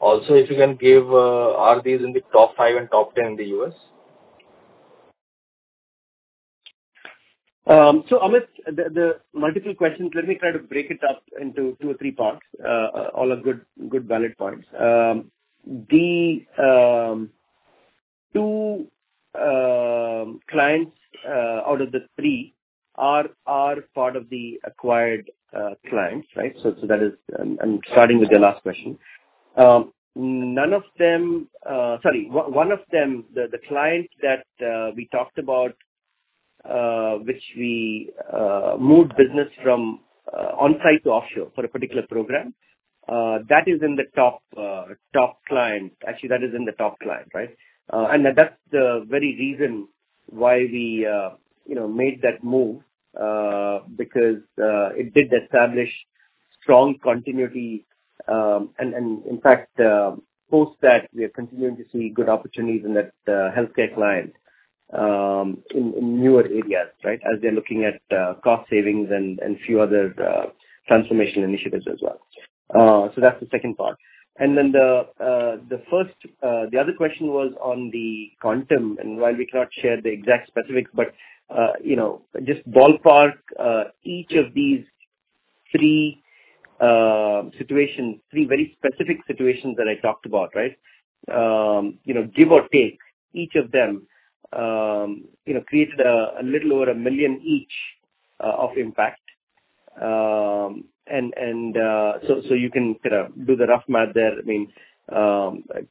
also, if you can give, are these in the top five and top 10 in the U.S.? So Amit, the multiple questions, let me try to break it up into two or three parts, all good valid points. The two clients out of the three are part of the acquired clients, right? So, that is, I'm starting with your last question. None of them, sorry, one of them, the client that we talked about, which we moved business from onsite to offshore for a particular program, that is in the top client. Actually, that is in the top client, right? And that's the very reason why we made that move because it did establish strong continuity. And in fact, post that, we are continuing to see good opportunities in that healthcare client in newer areas, right, as they're looking at cost savings and few other transformational initiatives as well. So that's the second part. And then the other question was on the quantum. While we cannot share the exact specifics, but just ballpark, each of these three situations, three very specific situations that I talked about, right, give or take, each of them created a little over $1 million each of impact. So you can kind of do the rough math there. I mean,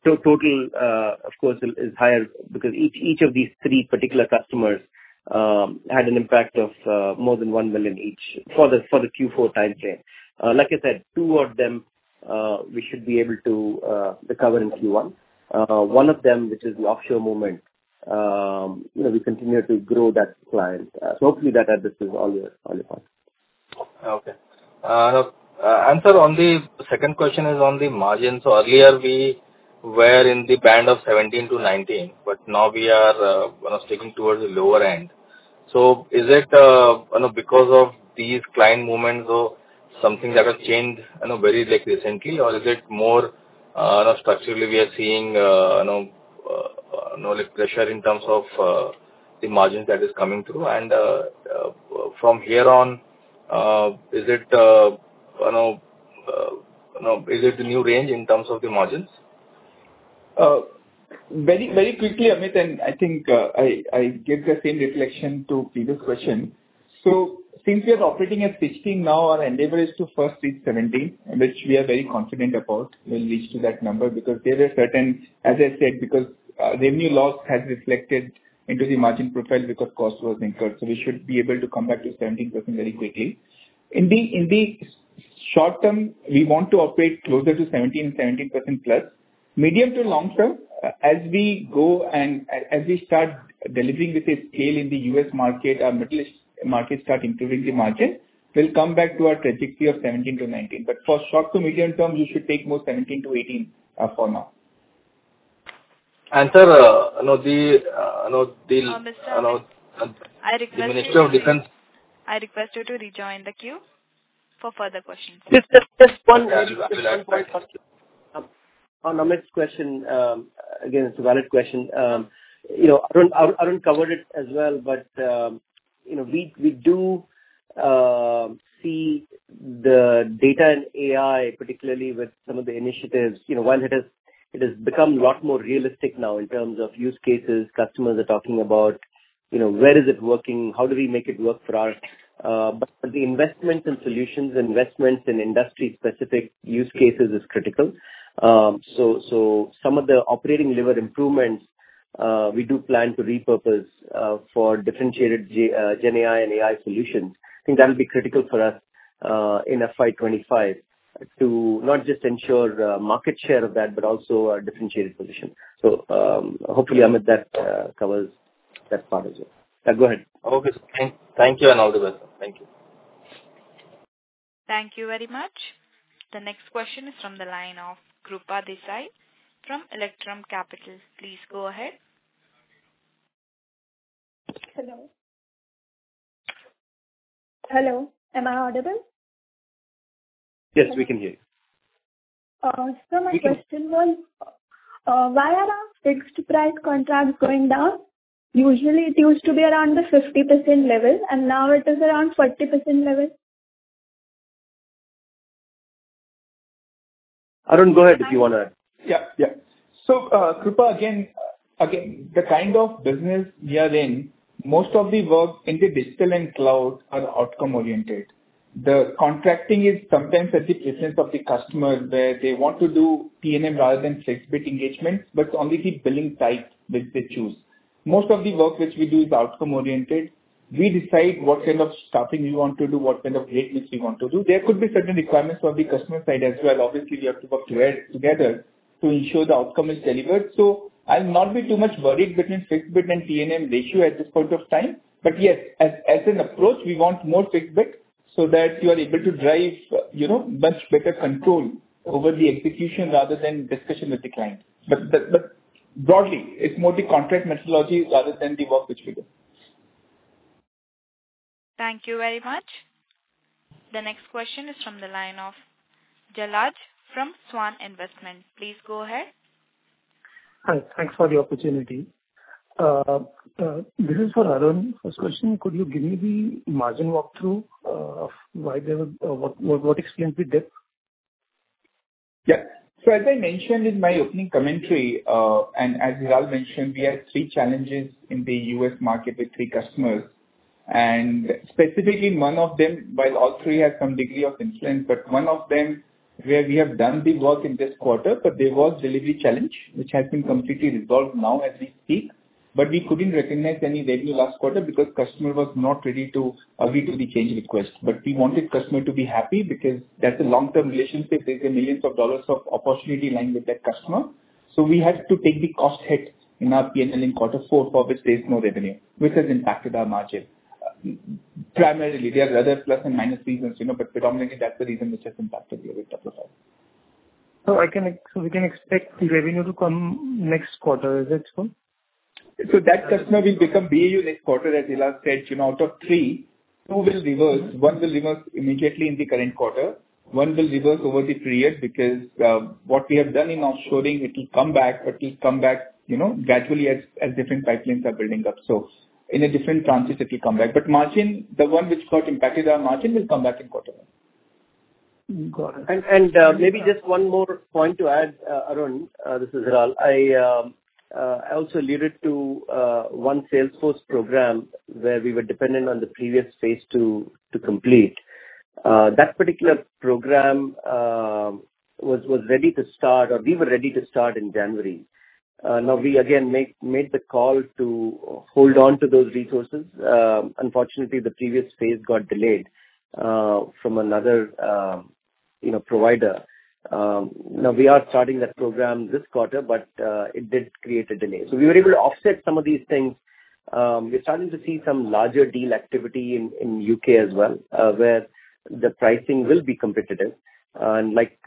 total, of course, is higher because each of these three particular customers had an impact of more than $1 million each for the Q4 timeframe. Like I said, two of them we should be able to recover in Q1. One of them, which is the offshore movement, we continue to grow that client. So hopefully, that addresses all your questions. Okay. Sir, the second question is on the margins. Earlier, we were in the band of 17%-19%, but now we are taking towards the lower end. Is it because of these client movements or something that has changed very recently, or is it more structurally, we are seeing no pressure in terms of the margins that is coming through? From here on, is it the new range in terms of the margins? Very quickly, Amit, and I think I gave the same reflection to previous question. So since we are operating at 16 now, our endeavor is to first reach 17, which we are very confident about. We'll reach to that number because there are certain as I said, because revenue loss has reflected into the margin profile because cost was incurred. So we should be able to come back to 17% very quickly. In the short term, we want to operate closer to 17 and 17%+. Medium to long term, as we go and as we start delivering with a scale in the U.S. market, our Middle East markets start improving the margin, we'll come back to our trajectory of 17%-19%. But for short to medium term, you should take more 17%-18% for now. And sir, the. Mr., I request you. [The Minister of Defense]. I request you to rejoin the queue for further questions. Just one question. On Amit's question, again, it's a valid question. Arun covered it as well, but we do see the data and AI, particularly with some of the initiatives, while it has become a lot more realistic now in terms of use cases, customers are talking about, where is it working? How do we make it work for our but the investments and solutions, investments in industry-specific use cases is critical. So some of the operating lever improvements, we do plan to repurpose for differentiated GenAI and AI solutions. I think that'll be critical for us in FY 2025 to not just ensure market share of that but also our differentiated position. So hopefully, Amit, that covers that part as well. Yeah. Go ahead. Okay. Thank you and all the best. Thank you. Thank you very much. The next question is from the line of Krupa Desai from Electrum Capital. Please go ahead. Hello. Hello. Am I audible? Yes. We can hear you. Sir, my question was, why are our fixed-price contracts going down? Usually, it used to be around the 50% level, and now it is around the 40% level. Arun, go ahead if you want to add. Yeah. Yeah. So Krupa, again, the kind of business we are in, most of the work in the digital and cloud are outcome-oriented. The contracting is sometimes at the insistence of the customer where they want to do T&M rather than fixed-bid engagements, but it's only the billing type which they choose. Most of the work which we do is outcome-oriented. We decide what kind of staffing we want to do, what kind of grade-mix we want to do. There could be certain requirements from the customer side as well. Obviously, we have to work together to ensure the outcome is delivered. So I'll not be too much worried between fixed-bid and T&M ratio at this point of time. But yes, as an approach, we want more fixed-bid so that you are able to drive much better control over the execution rather than discussion with the client. Broadly, it's more the contract methodology rather than the work which we do. Thank you very much. The next question is from the line of Jalaj from Svan Investment. Please go ahead. Hi. Thanks for the opportunity. This is for Arun. First question, could you give me the margin walkthrough of why there was what explains the dip? Yeah. So as I mentioned in my opening commentary, and as Hiral mentioned, we had three challenges in the U.S. market with three customers. And specifically, one of them while all three have some degree of influence, but one of them where we have done the work in this quarter, but there was delivery challenge, which has been completely resolved now as we speak. But we couldn't recognize any revenue last quarter because the customer was not ready to agree to the change request. But we wanted the customer to be happy because that's a long-term relationship. There's millions of dollars of opportunity lying with that customer. So we had to take the cost hit in our P&L in quarter four for which there's no revenue, which has impacted our margin primarily. There are other plus and minus reasons, but predominantly, that's the reason which has impacted the EBITDA profile. We can expect the revenue to come next quarter. Is that so? That customer will become BAU next quarter. As Hiral said, out of three, two will reverse. One will reverse immediately in the current quarter. One will reverse over the period because what we have done in offshoring, it will come back, but it will come back gradually as different pipelines are building up. So in a different transit, it will come back. But the one which got impacted, our margin will come back in quarter one. Got it. And maybe just one more point to add, Arun. This is Hiral. I also alluded to one Salesforce program where we were dependent on the previous phase to complete. That particular program was ready to start, or we were ready to start in January. Now, we, again, made the call to hold on to those resources. Unfortunately, the previous phase got delayed from another provider. Now, we are starting that program this quarter, but it did create a delay. So we were able to offset some of these things. We're starting to see some larger deal activity in U.K. as well where the pricing will be competitive. And like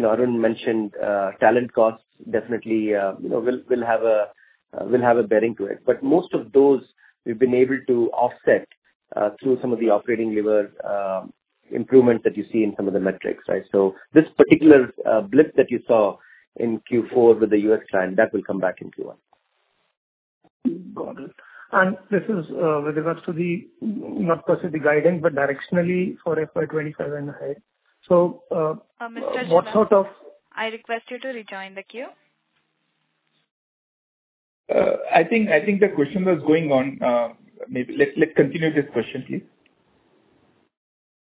Arun mentioned, talent costs definitely will have a bearing to it. But most of those, we've been able to offset through some of the operating lever improvements that you see in some of the metrics, right? So this particular blip that you saw in Q4 with the U.S. client, that will come back in Q1. Got it. And this is with regards to the not per se the guidance, but directionally for FY 2025 and ahead. So what sort of. Mr. Chandrana, I request you to rejoin the queue. I think the question was going on. Let's continue this question, please.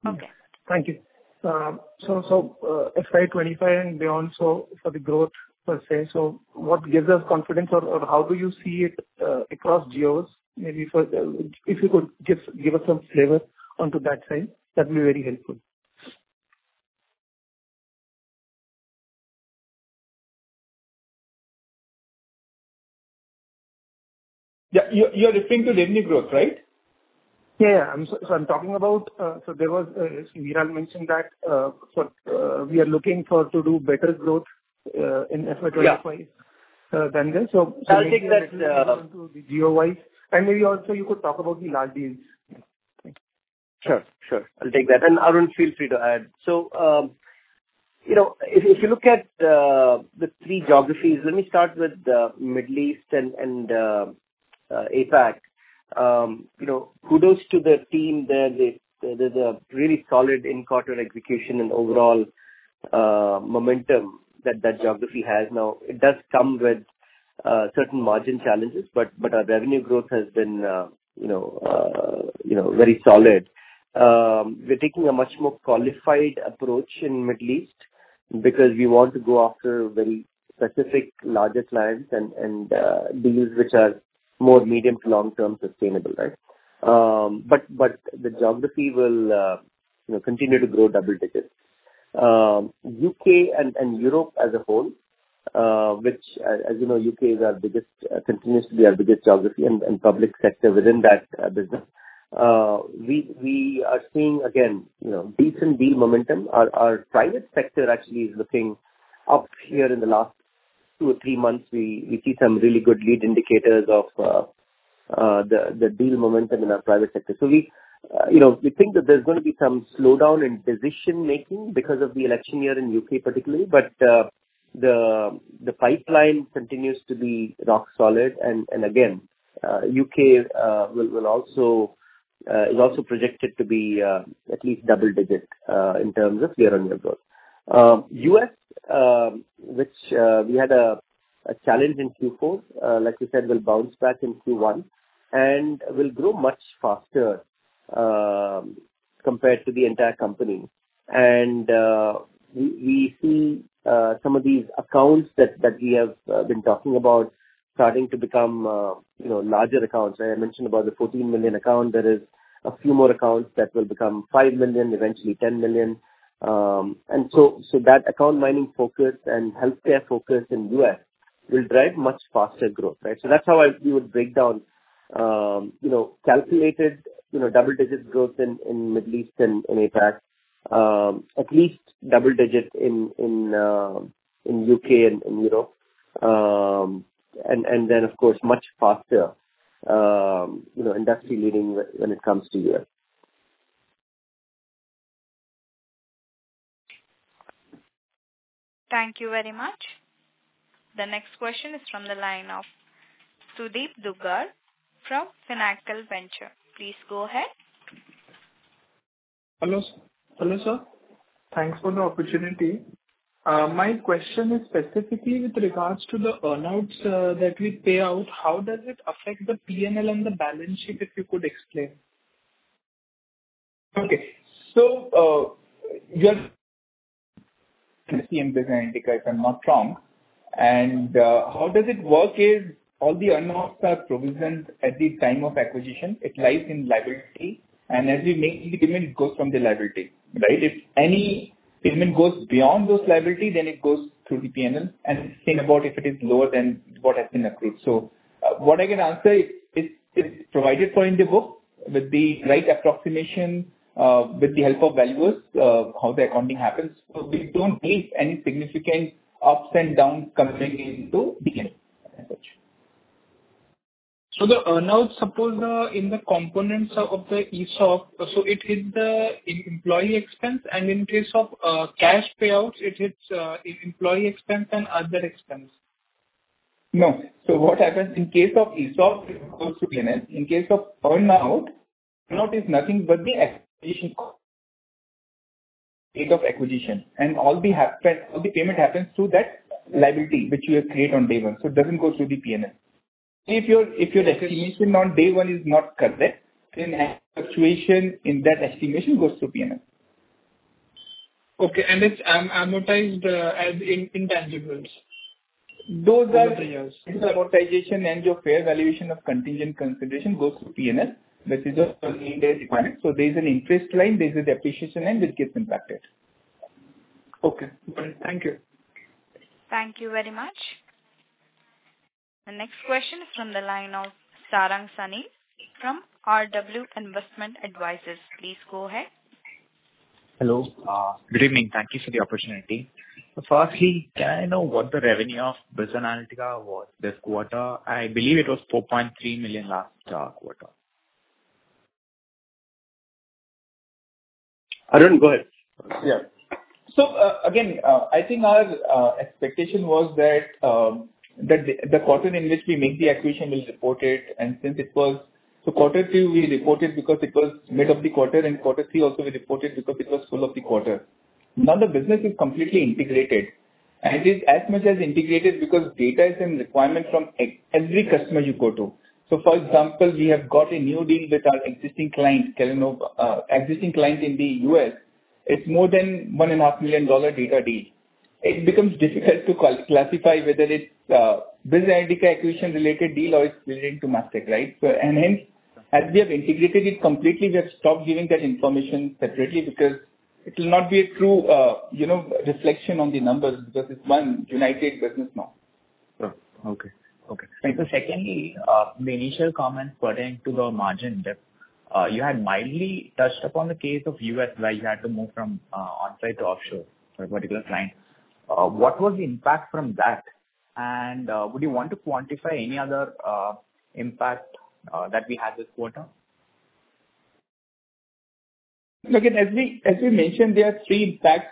Okay. Thank you. So FY 2025 and beyond, so for the growth per se, so what gives us confidence, or how do you see it across geos? Maybe if you could give us some flavor onto that side, that'd be very helpful. Yeah. You're referring to revenue growth, right? Yeah. Yeah. So I'm talking about so there was Hiral mentioned that we are looking to do better growth in FY 2025 than this. So maybe we can refer to the geo-wise. And maybe also, you could talk about the large deals. Thank you. Sure. Sure. I'll take that. And Arun, feel free to add. So if you look at the three geographies, let me start with the Middle East and APAC. Kudos to the team there. There's a really solid in-quarter execution and overall momentum that that geography has. Now, it does come with certain margin challenges, but our revenue growth has been very solid. We're taking a much more qualified approach in the Middle East because we want to go after very specific larger clients and deals which are more medium to long-term sustainable, right? But the geography will continue to grow double digits. U.K. and Europe as a whole, which as you know, U.K. continues to be our biggest geography and public sector within that business, we are seeing, again, decent deal momentum. Our private sector actually is looking up here in the last two or three months. We see some really good lead indicators of the deal momentum in our private sector. So we think that there's going to be some slowdown in decision-making because of the election year in U.K. particularly, but the pipeline continues to be rock solid. And again, U.K. is also projected to be at least double-digit in terms of year-on-year growth. U.S., which we had a challenge in Q4, like you said, will bounce back in Q1 and will grow much faster compared to the entire company. And we see some of these accounts that we have been talking about starting to become larger accounts. I mentioned about the $14 million account. There is a few more accounts that will become $5 million, eventually $10 million. And so that account mining focus and healthcare focus in U.S. will drive much faster growth, right? So that's how we would break down calculated double-digit growth in the Middle East and in APAC, at least double digit in U.K. and Europe, and then, of course, much faster industry leading when it comes to U.S. Thank you very much. The next question is from the line of Sudeep Duggar from Finacle Venture. Please go ahead. Hello. Hello, sir. Thanks for the opportunity. My question is specifically with regards to the earnouts that we pay out. How does it affect the P&L and the balance sheet, if you could explain? Okay. So you're. The [CMPS] indicator, if I'm not wrong. And how does it work is all the earnouts are provisioned at the time of acquisition. It lies in liability, and as you make the payment, it goes from the liability, right? If any payment goes beyond those liability, then it goes through the P&L and think about if it is lower than what has been accrued. So what I can answer is. It is provided for in the book with the right approximation with the help of valuers, how the accounting happens. So we don't need any significant ups and downs coming into the end. So the earnouts, suppose in the components of the ESOP, so it hits the employee expense. In case of cash payouts, it hits employee expense and other expense. No. So what happens in case of ESOP, it goes to P&L. In case of earnout, earnout is nothing but the date of acquisition. And all the payment happens through that liability which you create on day one. So it doesn't go through the P&L. If your estimation on day one is not correct, then adjustment in that estimation goes through P&L. Okay. It's amortized as intangibles? Those are. The amortization and your fair valuation of contingent consideration goes through P&L, which is a mandatory requirement. So there's an interest line. There's a depreciation line which gets impacted. Okay. Got it. Thank you. Thank you very much. The next question is from the line of Sarang Sanil from RW Investment Advisors. Please go ahead. Hello. Good evening. Thank you for the opportunity. Firstly, can I know what the revenue of BizAnalytica was this quarter? I believe it was $4.3 million last quarter. Arun, go ahead. Yeah. So again, I think our expectation was that the quarter in which we make the acquisition will report it. And since it was so quarter two, we reported because it was mid of the quarter. And quarter three, also, we reported because it was full of the quarter. Now, the business is completely integrated. And it's as much as integrated because data is a requirement from every customer you go to. So for example, we have got a new deal with our existing client, Kellanova. Existing client in the U.S., it's more than $1.5 million data deal. It becomes difficult to classify whether it's BizAnalytica acquisition-related deal or it's related to Mastek, right? And hence, as we have integrated it completely, we have stopped giving that information separately because it will not be a true reflection on the numbers because it's one united business now. Sure. Okay. Okay. And so secondly, the initial comments pertaining to the margin dip, you had mildly touched upon the case of U.S. where you had to move from onsite to offshore for a particular client. What was the impact from that? And would you want to quantify any other impact that we had this quarter? Look, as we mentioned, there are three impacts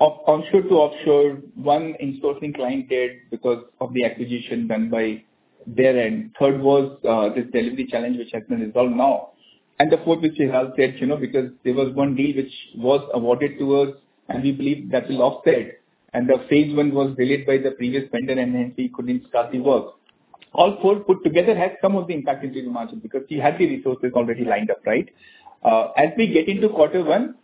onshore to offshore. One, insourcing client dead because of the acquisition done by their end. Third was this delivery challenge which has been resolved now. And the fourth, which Hiral said, because there was one deal which was awarded to us, and we believe that will offset. And the phase one was delayed by the previous vendor, and hence, we couldn't start the work. All four put together had some of the impact into the margin because you had the resources already lined up, right? As we get into quarter one,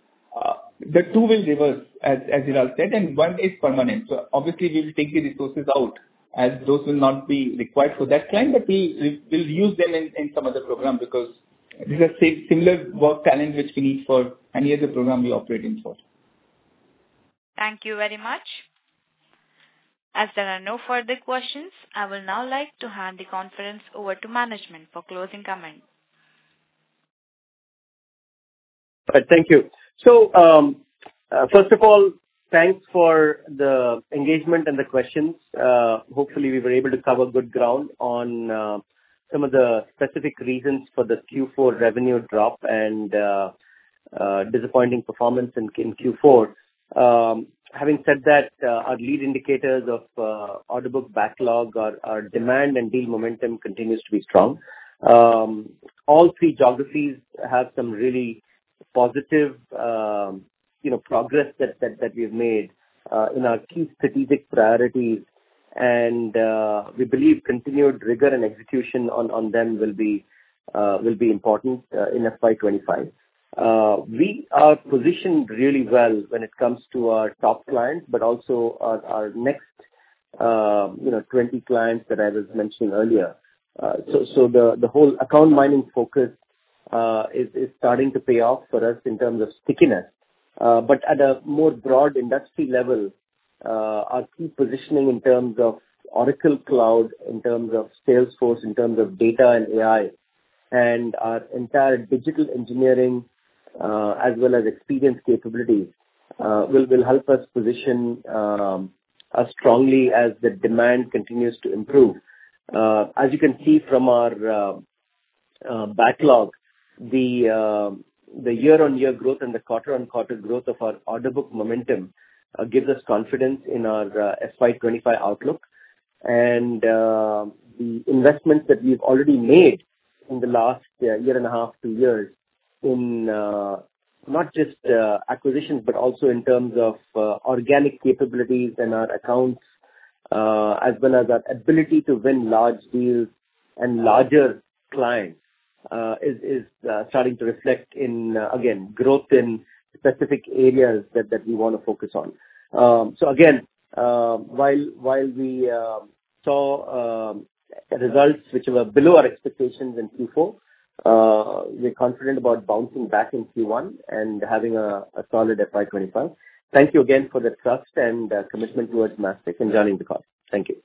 the two will reverse, as Hiral said, and one is permanent. Obviously, we will take the resources out as those will not be required for that client, but we will use them in some other program because this is a similar work talent which we need for any other program we operate in for. Thank you very much. As there are no further questions, I will now like to hand the conference over to management for closing comments. All right. Thank you. So first of all, thanks for the engagement and the questions. Hopefully, we were able to cover good ground on some of the specific reasons for the Q4 revenue drop and disappointing performance in Q4. Having said that, our lead indicators of order book backlog, our demand and deal momentum continues to be strong. All three geographies have some really positive progress that we've made in our key strategic priorities, and we believe continued rigor and execution on them will be important in FY 2025. We are positioned really well when it comes to our top clients but also our next 20 clients that I was mentioning earlier. So the whole account mining focus is starting to pay off for us in terms of stickiness. But at a more broad industry level, our key positioning in terms of Oracle Cloud, in terms of Salesforce, in terms of data and AI, and our entire digital engineering as well as experience capabilities will help us position us strongly as the demand continues to improve. As you can see from our backlog, the year-on-year growth and the quarter-on-quarter growth of our order book momentum gives us confidence in our FY 2025 outlook. The investments that we've already made in the last year and a half, two years in not just acquisitions but also in terms of organic capabilities in our accounts as well as our ability to win large deals and larger clients is starting to reflect in, again, growth in specific areas that we want to focus on. So again, while we saw results which were below our expectations in Q4, we're confident about bouncing back in Q1 and having a solid FY 2025. Thank you again for the trust and commitment toward Mastek and joining the call. Thank you.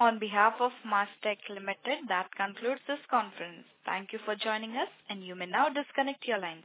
On behalf of Mastek Limited, that concludes this conference. Thank you for joining us, and you may now disconnect your lines.